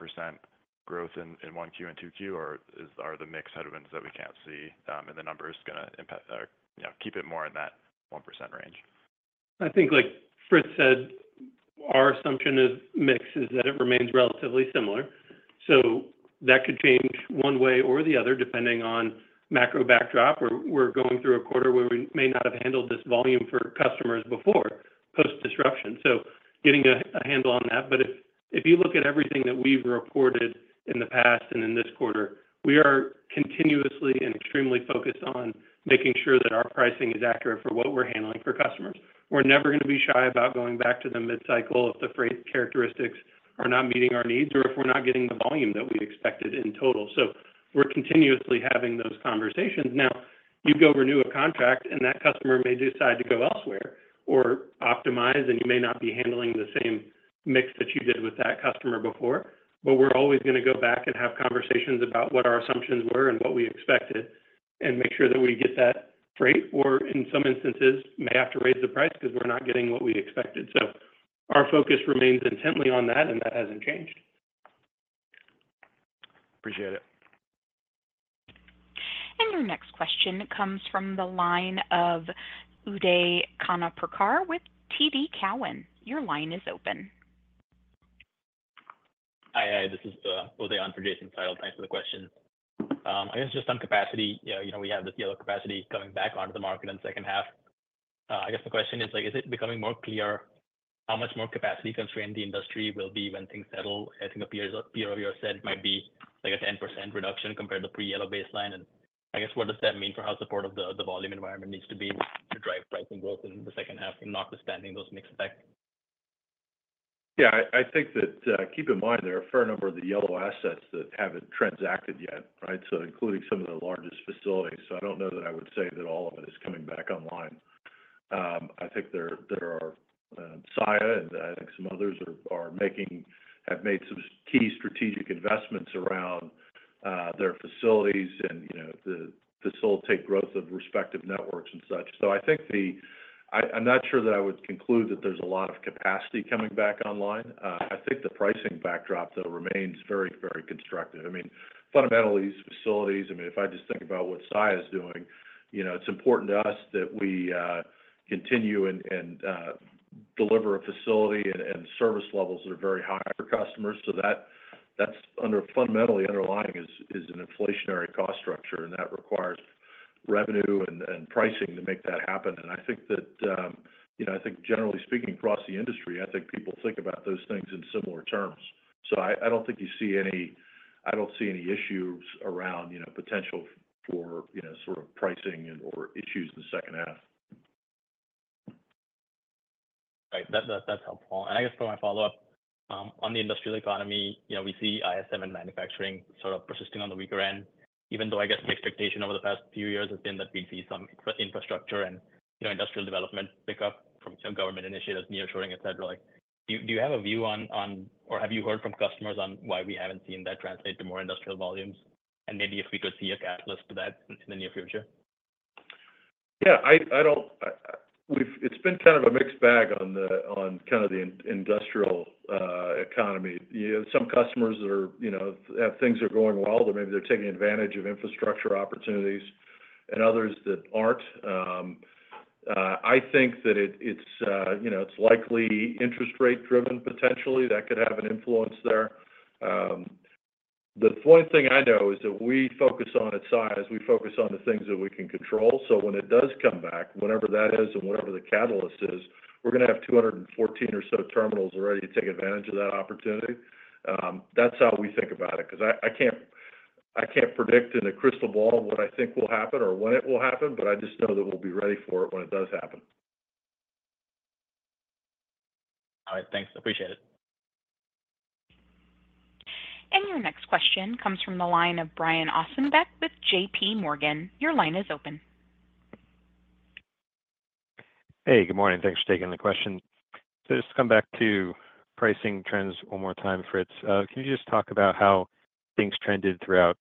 growth in Q1 and Q2, or are the mix headwinds that we can't see and the numbers going to keep it more in that 1% range? I think, like Fritz said, our assumption of mix is that it remains relatively similar. So that could change one way or the other depending on macro backdrop. We're going through a quarter where we may not have handled this volume for customers before post-disruption. So getting a handle on that. But if you look at everything that we've reported in the past and in this quarter, we are continuously and extremely focused on making sure that our pricing is accurate for what we're handling for customers. We're never going to be shy about going back to the mid-cycle if the characteristics are not meeting our needs or if we're not getting the volume that we expected in total. So we're continuously having those conversations. Now, you go renew a contract, and that customer may decide to go elsewhere or optimize, and you may not be handling the same mix that you did with that customer before. But we're always going to go back and have conversations about what our assumptions were and what we expected and make sure that we get that freight or, in some instances, may have to raise the price because we're not getting what we expected. So our focus remains intently on that, and that hasn't changed. Appreciate it. Your next question comes from the line of Uday Khanapurkar with TD Cowen. Your line is open. Hi, this is Uday for Jason Seidl. Thanks for the question. I guess just on capacity, we have this Yellow capacity coming back onto the market in the second half. I guess the question is, is it becoming more clear how much more capacity constrained the industry will be when things settle? I think a peer of yours said it might be like a 10% reduction compared to pre-Yellow baseline. And I guess what does that mean for how supportive the volume environment needs to be to drive pricing growth in the second half, notwithstanding those mixed effects? Yeah. I think that, keep in mind, there are a fair number of the Yellow assets that haven't transacted yet, right? So including some of the largest facilities. So I don't know that I would say that all of it is coming back online. I think there are Saia, and I think some others have made some key strategic investments around their facilities and facilitate growth of respective networks and such. So I think, I'm not sure that I would conclude that there's a lot of capacity coming back online. I think the pricing backdrop, though, remains very, very constructive. I mean, fundamentally, these facilities, I mean, if I just think about what Saia is doing, it's important to us that we continue and deliver a facility and service levels that are very high for customers. So that's fundamentally underlying is an inflationary cost structure, and that requires revenue and pricing to make that happen. I think that I think, generally speaking, across the industry, I think people think about those things in similar terms. I don't think you see any I don't see any issues around potential for sort of pricing or issues in the second half. Right. That's helpful. And I guess for my follow-up, on the industrial economy, we see ISM and manufacturing sort of persisting on the weaker end, even though I guess the expectation over the past few years has been that we'd see some infrastructure and industrial development pick up from government initiatives, nearshoring, etc. Do you have a view on, or have you heard from customers on why we haven't seen that translate to more industrial volumes? And maybe if we could see a catalyst for that in the near future? Yeah. It's been kind of a mixed bag on kind of the industrial economy. Some customers that have things that are going well, that maybe they're taking advantage of infrastructure opportunities and others that aren't. I think that it's likely interest rate-driven, potentially. That could have an influence there. The one thing I know is that we focus on at Saia is we focus on the things that we can control. So when it does come back, whenever that is and whatever the catalyst is, we're going to have 214 or so terminals ready to take advantage of that opportunity. That's how we think about it because I can't predict in a crystal ball what I think will happen or when it will happen, but I just know that we'll be ready for it when it does happen. All right. Thanks. Appreciate it. Your next question comes from the line of Brian Ossenbeck with J.P. Morgan. Your line is open. Hey, good morning. Thanks for taking the question. So just to come back to pricing trends one more time, Fritz, can you just talk about how things trended throughout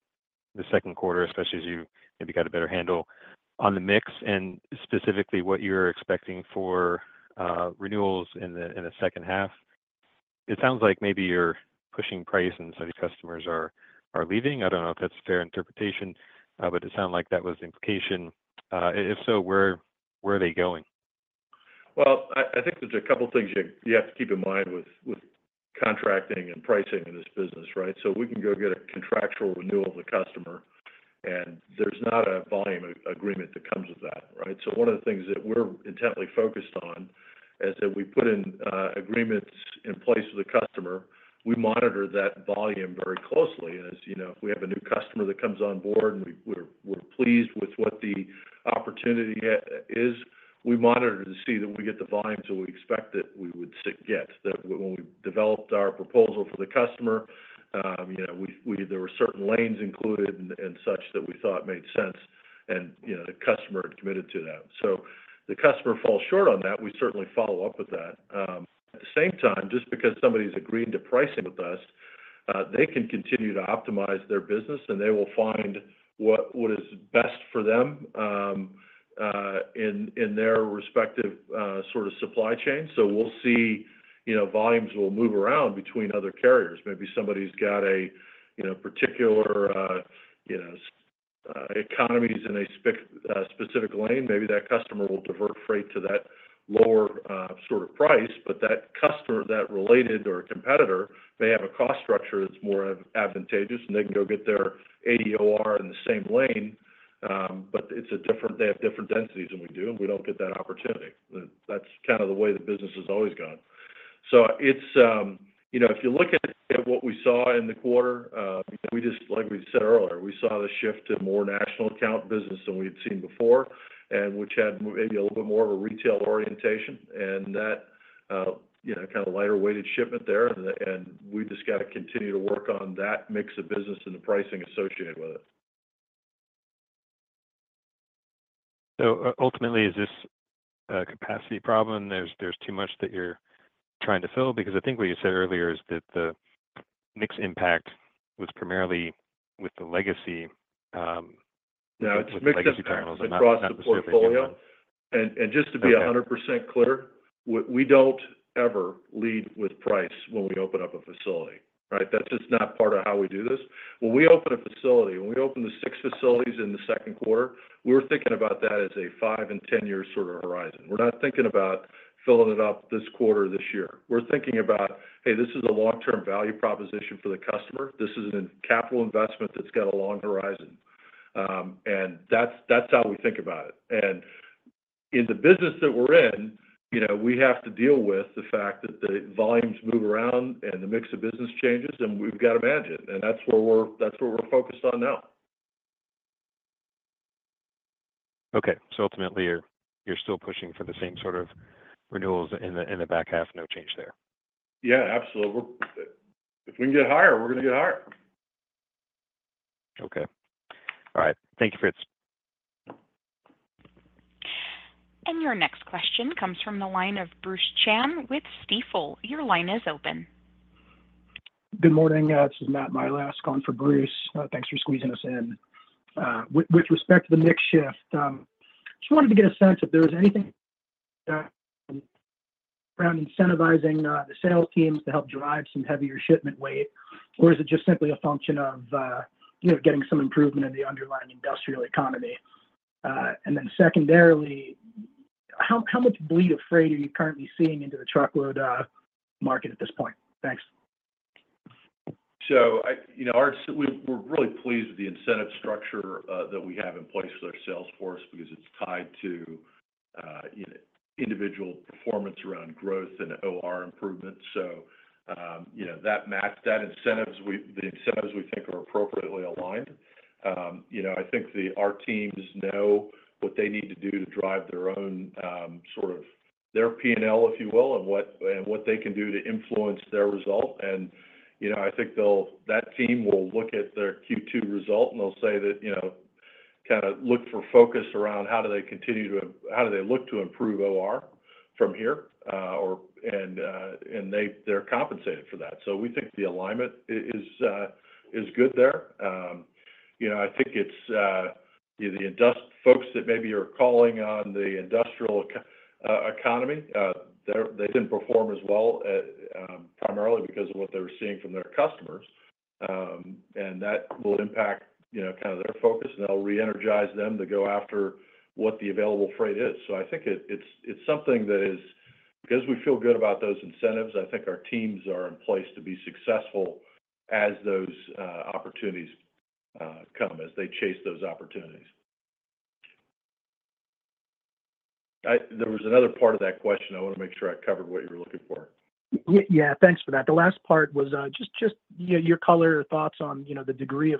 the second quarter, especially as you maybe got a better handle on the mix and specifically what you're expecting for renewals in the second half? It sounds like maybe you're pushing price and some of your customers are leaving. I don't know if that's a fair interpretation, but it sounded like that was the implication. If so, where are they going? Well, I think there's a couple of things you have to keep in mind with contracting and pricing in this business, right? So we can go get a contractual renewal of the customer, and there's not a volume agreement that comes with that, right? So one of the things that we're intently focused on is that we put in agreements in place with the customer. We monitor that volume very closely. And if we have a new customer that comes on board and we're pleased with what the opportunity is, we monitor to see that we get the volume that we expect that we would get, that when we developed our proposal for the customer, there were certain lanes included and such that we thought made sense, and the customer had committed to that. So if the customer falls short on that, we certainly follow up with that. At the same time, just because somebody has agreed to pricing with us, they can continue to optimize their business, and they will find what is best for them in their respective sort of supply chain. So we'll see volumes will move around between other carriers. Maybe somebody's got a particular economies in a specific lane. Maybe that customer will divert freight to that lower sort of price, but that related or competitor may have a cost structure that's more advantageous, and they can go get their OR in the same lane, but they have different densities than we do, and we don't get that opportunity. That's kind of the way the business has always gone. So if you look at what we saw in the quarter, like we said earlier, we saw the shift to more national account business than we had seen before, which had maybe a little bit more of a retail orientation and that kind of lighter-weighted shipment there. And we just got to continue to work on that mix of business and the pricing associated with it. Ultimately, is this a capacity problem? There's too much that you're trying to fill? Because I think what you said earlier is that the mixed impact was primarily with the legacy terminals and not the specific portfolio. Yeah. It's mixed across the portfolio. Just to be 100% clear, we don't ever lead with price when we open up a facility, right? That's just not part of how we do this. When we open a facility, when we open the six facilities in the second quarter, we're thinking about that as a 5- and 10-year sort of horizon. We're not thinking about filling it up this quarter or this year. We're thinking about, "Hey, this is a long-term value proposition for the customer. This is a capital investment that's got a long horizon." That's how we think about it. In the business that we're in, we have to deal with the fact that the volumes move around and the mix of business changes, and we've got to manage it. That's where we're focused on now. Okay. So ultimately, you're still pushing for the same sort of renewals in the back half, no change there? Yeah. Absolutely. If we can get higher, we're going to get higher. Okay. All right. Thank you, Fritz. Your next question comes from the line of Bruce Chan with Stifel. Your line is open. Good morning. This is Matthew Milask on for Bruce. Thanks for squeezing us in. With respect to the mix shift, just wanted to get a sense if there was anything around incentivizing the sales teams to help drive some heavier shipment weight, or is it just simply a function of getting some improvement in the underlying industrial economy? And then secondarily, how much bleed of freight are you currently seeing into the truckload market at this point? Thanks. So we're really pleased with the incentive structure that we have in place with our sales force because it's tied to individual performance around growth and OR improvement. So that matches the incentives. The incentives, we think, are appropriately aligned. I think our teams know what they need to do to drive their own sort of P&L, if you will, and what they can do to influence their result. And I think that team will look at their Q2 result, and they'll say, look, focus around how they continue to look to improve OR from here, and they're compensated for that. So we think the alignment is good there. I think it's the folks that maybe are calling on the industrial economy. They didn't perform as well primarily because of what they were seeing from their customers. And that will impact kind of their focus, and they'll re-energize them to go after what the available freight is. So I think it's something that is because we feel good about those incentives, I think our teams are in place to be successful as those opportunities come, as they chase those opportunities. There was another part of that question. I want to make sure I covered what you were looking for. Yeah. Thanks for that. The last part was just your color or thoughts on the degree of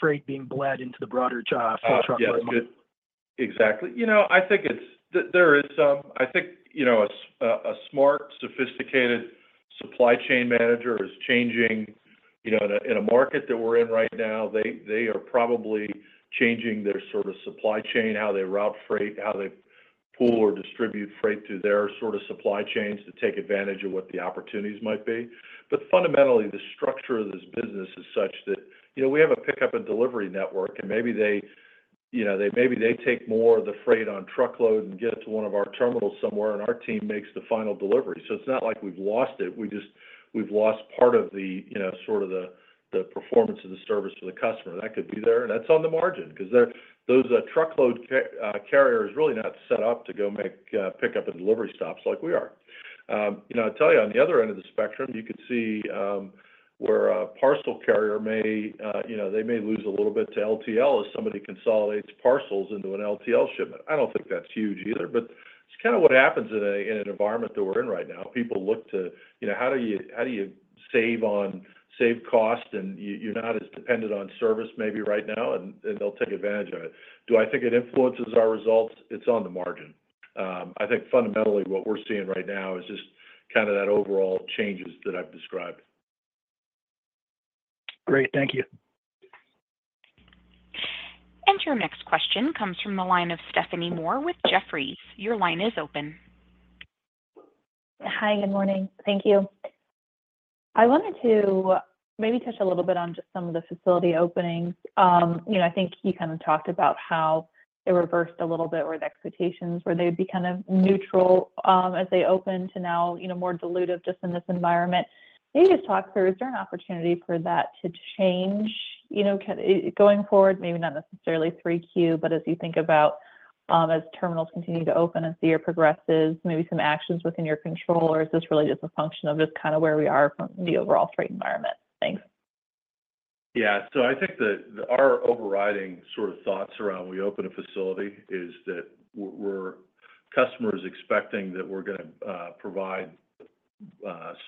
freight being bled into the broader truckload market. Yeah. Exactly. I think a smart, sophisticated supply chain manager is changing in a market that we're in right now. They are probably changing their sort of supply chain, how they route freight, how they pool or distribute freight through their sort of supply chains to take advantage of what the opportunities might be. But fundamentally, the structure of this business is such that we have a pickup and delivery network, and maybe they take more of the freight on truckload and get it to one of our terminals somewhere, and our team makes the final delivery. So it's not like we've lost it. We've lost part of the sort of the performance of the service for the customer. That could be there, and that's on the margin because those truckload carriers are really not set up to go make pickup and delivery stops like we are. I'll tell you, on the other end of the spectrum, you could see where a parcel carrier may lose a little bit to LTL as somebody consolidates parcels into an LTL shipment. I don't think that's huge either, but it's kind of what happens in an environment that we're in right now. People look to how do you save on cost, and you're not as dependent on service maybe right now, and they'll take advantage of it. Do I think it influences our results? It's on the margin. I think fundamentally, what we're seeing right now is just kind of that overall changes that I've described. Great. Thank you. Your next question comes from the line of Stephanie Moore with Jefferies. Your line is open. Hi. Good morning. Thank you. I wanted to maybe touch a little bit on just some of the facility openings. I think you kind of talked about how it reversed a little bit where the expectations were they would be kind of neutral as they open to now more dilutive just in this environment. Maybe just talk through, is there an opportunity for that to change going forward? Maybe not necessarily 3Q, but as you think about as terminals continue to open and the year progresses, maybe some actions within your control, or is this really just a function of just kind of where we are from the overall freight environment? Thanks. Yeah. So I think our overriding sort of thoughts around when we open a facility is that customers are expecting that we're going to provide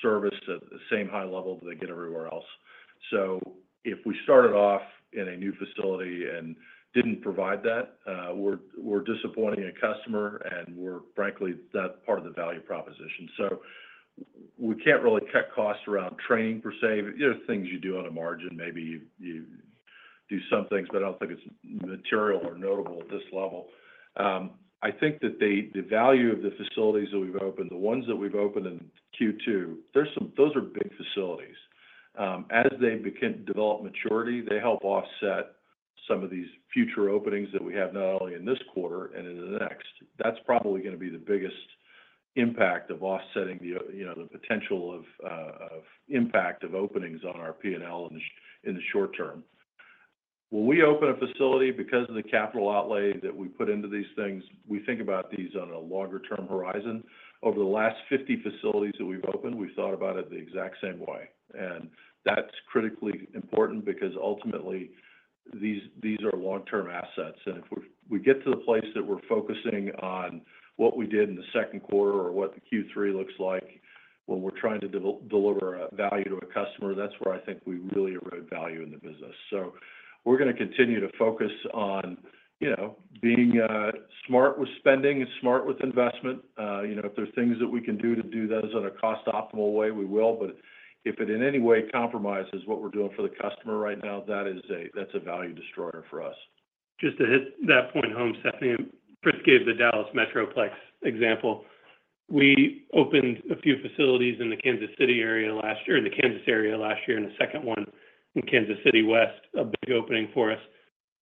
service at the same high level that they get everywhere else. So if we started off in a new facility and didn't provide that, we're disappointing a customer, and frankly, that's part of the value proposition. So we can't really cut costs around training per se. There are things you do on a margin. Maybe you do some things, but I don't think it's material or notable at this level. I think that the value of the facilities that we've opened, the ones that we've opened in Q2, those are big facilities. As they develop maturity, they help offset some of these future openings that we have not only in this quarter and in the next. That's probably going to be the biggest impact of offsetting the potential of impact of openings on our P&L in the short term. When we open a facility, because of the capital outlay that we put into these things, we think about these on a longer-term horizon. Over the last 50 facilities that we've opened, we've thought about it the exact same way. That's critically important because ultimately, these are long-term assets. If we get to the place that we're focusing on what we did in the second quarter or what Q3 looks like when we're trying to deliver value to a customer, that's where I think we really erode value in the business. We're going to continue to focus on being smart with spending and smart with investment. If there are things that we can do to do those in a cost-optimal way, we will. But if it in any way compromises what we're doing for the customer right now, that's a value destroyer for us. Just to hit that point home, Stephanie, Fritz gave the Dallas Metroplex example. We opened a few facilities in the Kansas City area last year or in the Kansas area last year and a second one in Kansas City West, a big opening for us.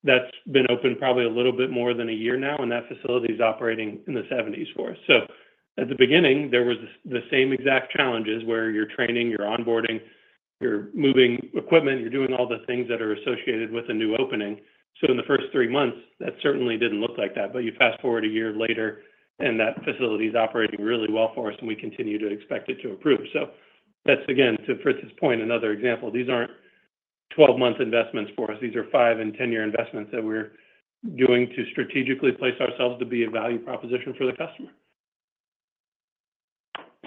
That's been open probably a little bit more than a year now, and that facility is operating in the 70s for us. So at the beginning, there were the same exact challenges where you're training, you're onboarding, you're moving equipment, you're doing all the things that are associated with a new opening. So in the first 3 months, that certainly didn't look like that. But you fast forward a year later, and that facility is operating really well for us, and we continue to expect it to improve. So that's, again, to Fritz's point, another example. These aren't 12-month investments for us. These are 5 and 10-year investments that we're doing to strategically place ourselves to be a value proposition for the customer.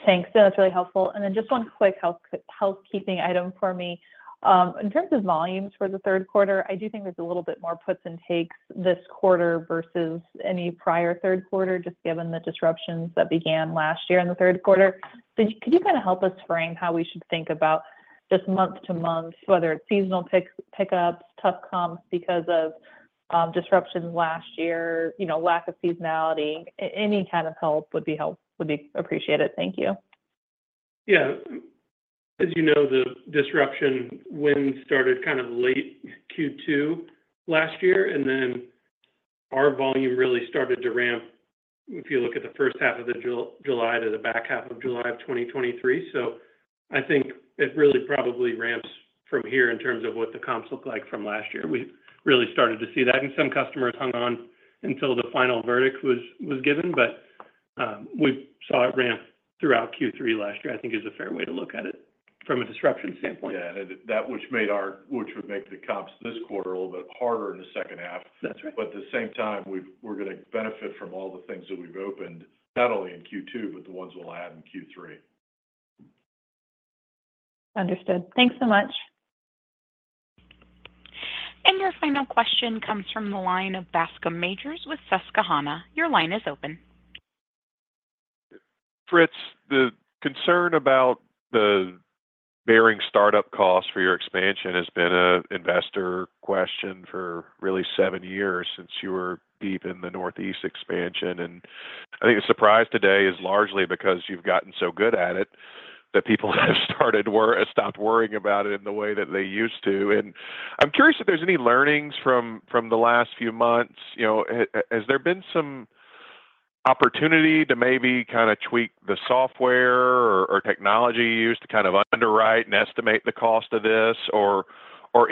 Thanks. That's really helpful. And then just one quick housekeeping item for me. In terms of volumes for the third quarter, I do think there's a little bit more puts and takes this quarter versus any prior third quarter, just given the disruptions that began last year in the third quarter. So could you kind of help us frame how we should think about just month-to-month, whether it's seasonal pickups, tough comps because of disruptions last year, lack of seasonality? Any kind of help would be appreciated. Thank you. Yeah. As you know, the disruption winds started kind of late Q2 last year, and then our volume really started to ramp if you look at the first half of July to the back half of July of 2023. So I think it really probably ramps from here in terms of what the comps look like from last year. We've really started to see that. And some customers hung on until the final verdict was given, but we saw it ramp throughout Q3 last year, I think, is a fair way to look at it from a disruption standpoint. Yeah. That which would make the comps this quarter a little bit harder in the second half. But at the same time, we're going to benefit from all the things that we've opened, not only in Q2, but the ones we'll add in Q3. Understood. Thanks so much. Your final question comes from the line of Bascom Majors with Susquehanna. Your line is open. Fritz, the concern about the bearing startup costs for your expansion has been an investor question for really seven years since you were deep in the Northeast expansion. I think the surprise today is largely because you've gotten so good at it that people have stopped worrying about it in the way that they used to. I'm curious if there's any learnings from the last few months. Has there been some opportunity to maybe kind of tweak the software or technology used to kind of underwrite and estimate the cost of this, or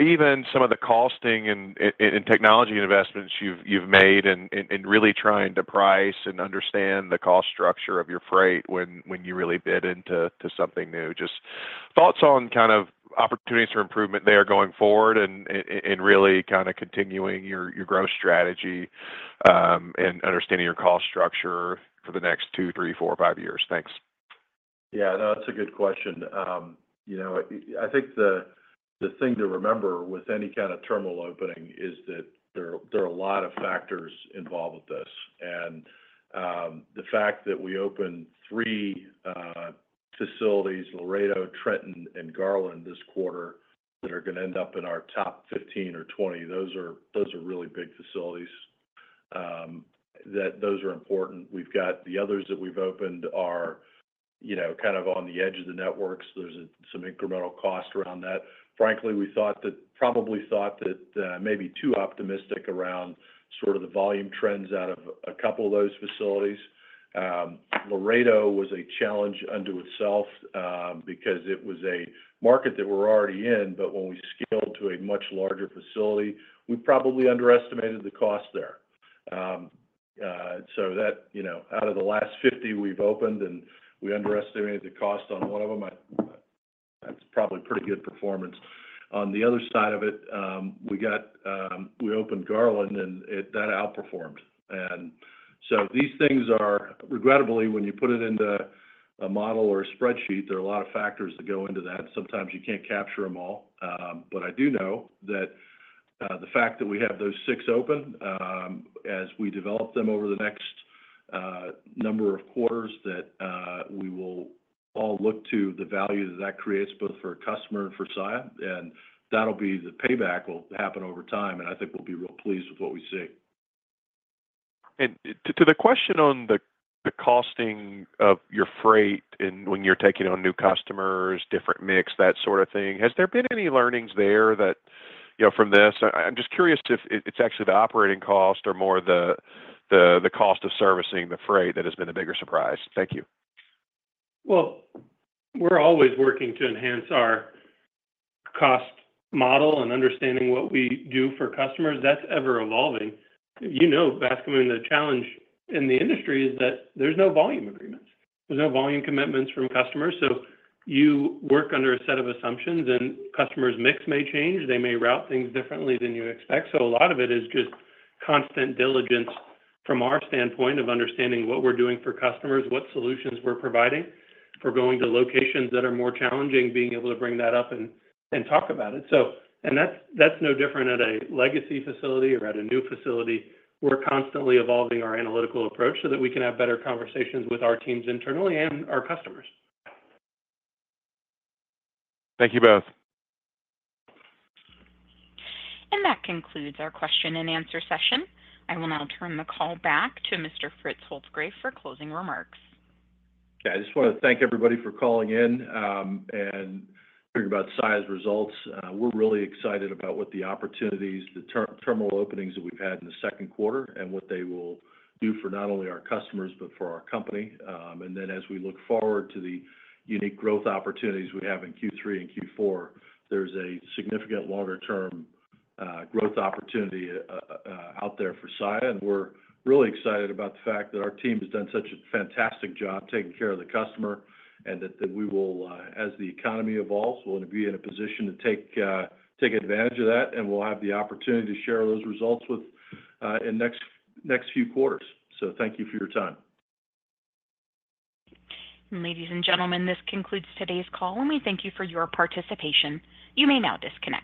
even some of the costing and technology investments you've made in really trying to price and understand the cost structure of your freight when you really bid into something new? Just thoughts on kind of opportunities for improvement there going forward and really kind of continuing your growth strategy and understanding your cost structure for the next 2, 3, 4, 5 years. Thanks. Yeah. No, that's a good question. I think the thing to remember with any kind of terminal opening is that there are a lot of factors involved with this. The fact that we opened three facilities, Laredo, Trenton, and Garland this quarter, that are going to end up in our top 15 or 20, those are really big facilities. Those are important. The others that we've opened are kind of on the edge of the networks. There's some incremental cost around that. Frankly, we probably thought that maybe too optimistic around sort of the volume trends out of a couple of those facilities. Laredo was a challenge unto itself because it was a market that we're already in, but when we scaled to a much larger facility, we probably underestimated the cost there. So out of the last 50 we've opened and we underestimated the cost on one of them, that's probably pretty good performance. On the other side of it, we opened Garland, and that outperformed. And so these things are regrettably, when you put it into a model or a spreadsheet, there are a lot of factors that go into that. Sometimes you can't capture them all. But I do know that the fact that we have those six open as we develop them over the next number of quarters, that we will all look to the value that that creates both for a customer and for Saia. And that'll be the payback will happen over time, and I think we'll be real pleased with what we see. To the question on the costing of your freight and when you're taking on new customers, different mix, that sort of thing, has there been any learnings there from this? I'm just curious if it's actually the operating cost or more the cost of servicing the freight that has been the bigger surprise. Thank you. Well, we're always working to enhance our cost model and understanding what we do for customers. That's ever-evolving. You know, Bascom, the challenge in the industry is that there's no volume agreements. There's no volume commitments from customers. So you work under a set of assumptions, and customers' mix may change. They may route things differently than you expect. So a lot of it is just constant diligence from our standpoint of understanding what we're doing for customers, what solutions we're providing for going to locations that are more challenging, being able to bring that up and talk about it. And that's no different at a legacy facility or at a new facility. We're constantly evolving our analytical approach so that we can have better conversations with our teams internally and our customers. Thank you both. That concludes our question and answer session. I will now turn the call back to Mr. Fritz Holzgrefe for closing remarks. Yeah. I just want to thank everybody for calling in and hearing about Saia's results. We're really excited about what the opportunities, the terminal openings that we've had in the second quarter, and what they will do for not only our customers but for our company. And then as we look forward to the unique growth opportunities we have in Q3 and Q4, there's a significant longer-term growth opportunity out there for Saia. And we're really excited about the fact that our team has done such a fantastic job taking care of the customer and that we will, as the economy evolves, be in a position to take advantage of that, and we'll have the opportunity to share those results in the next few quarters. So thank you for your time. Ladies and gentlemen, this concludes today's call. We thank you for your participation. You may now disconnect.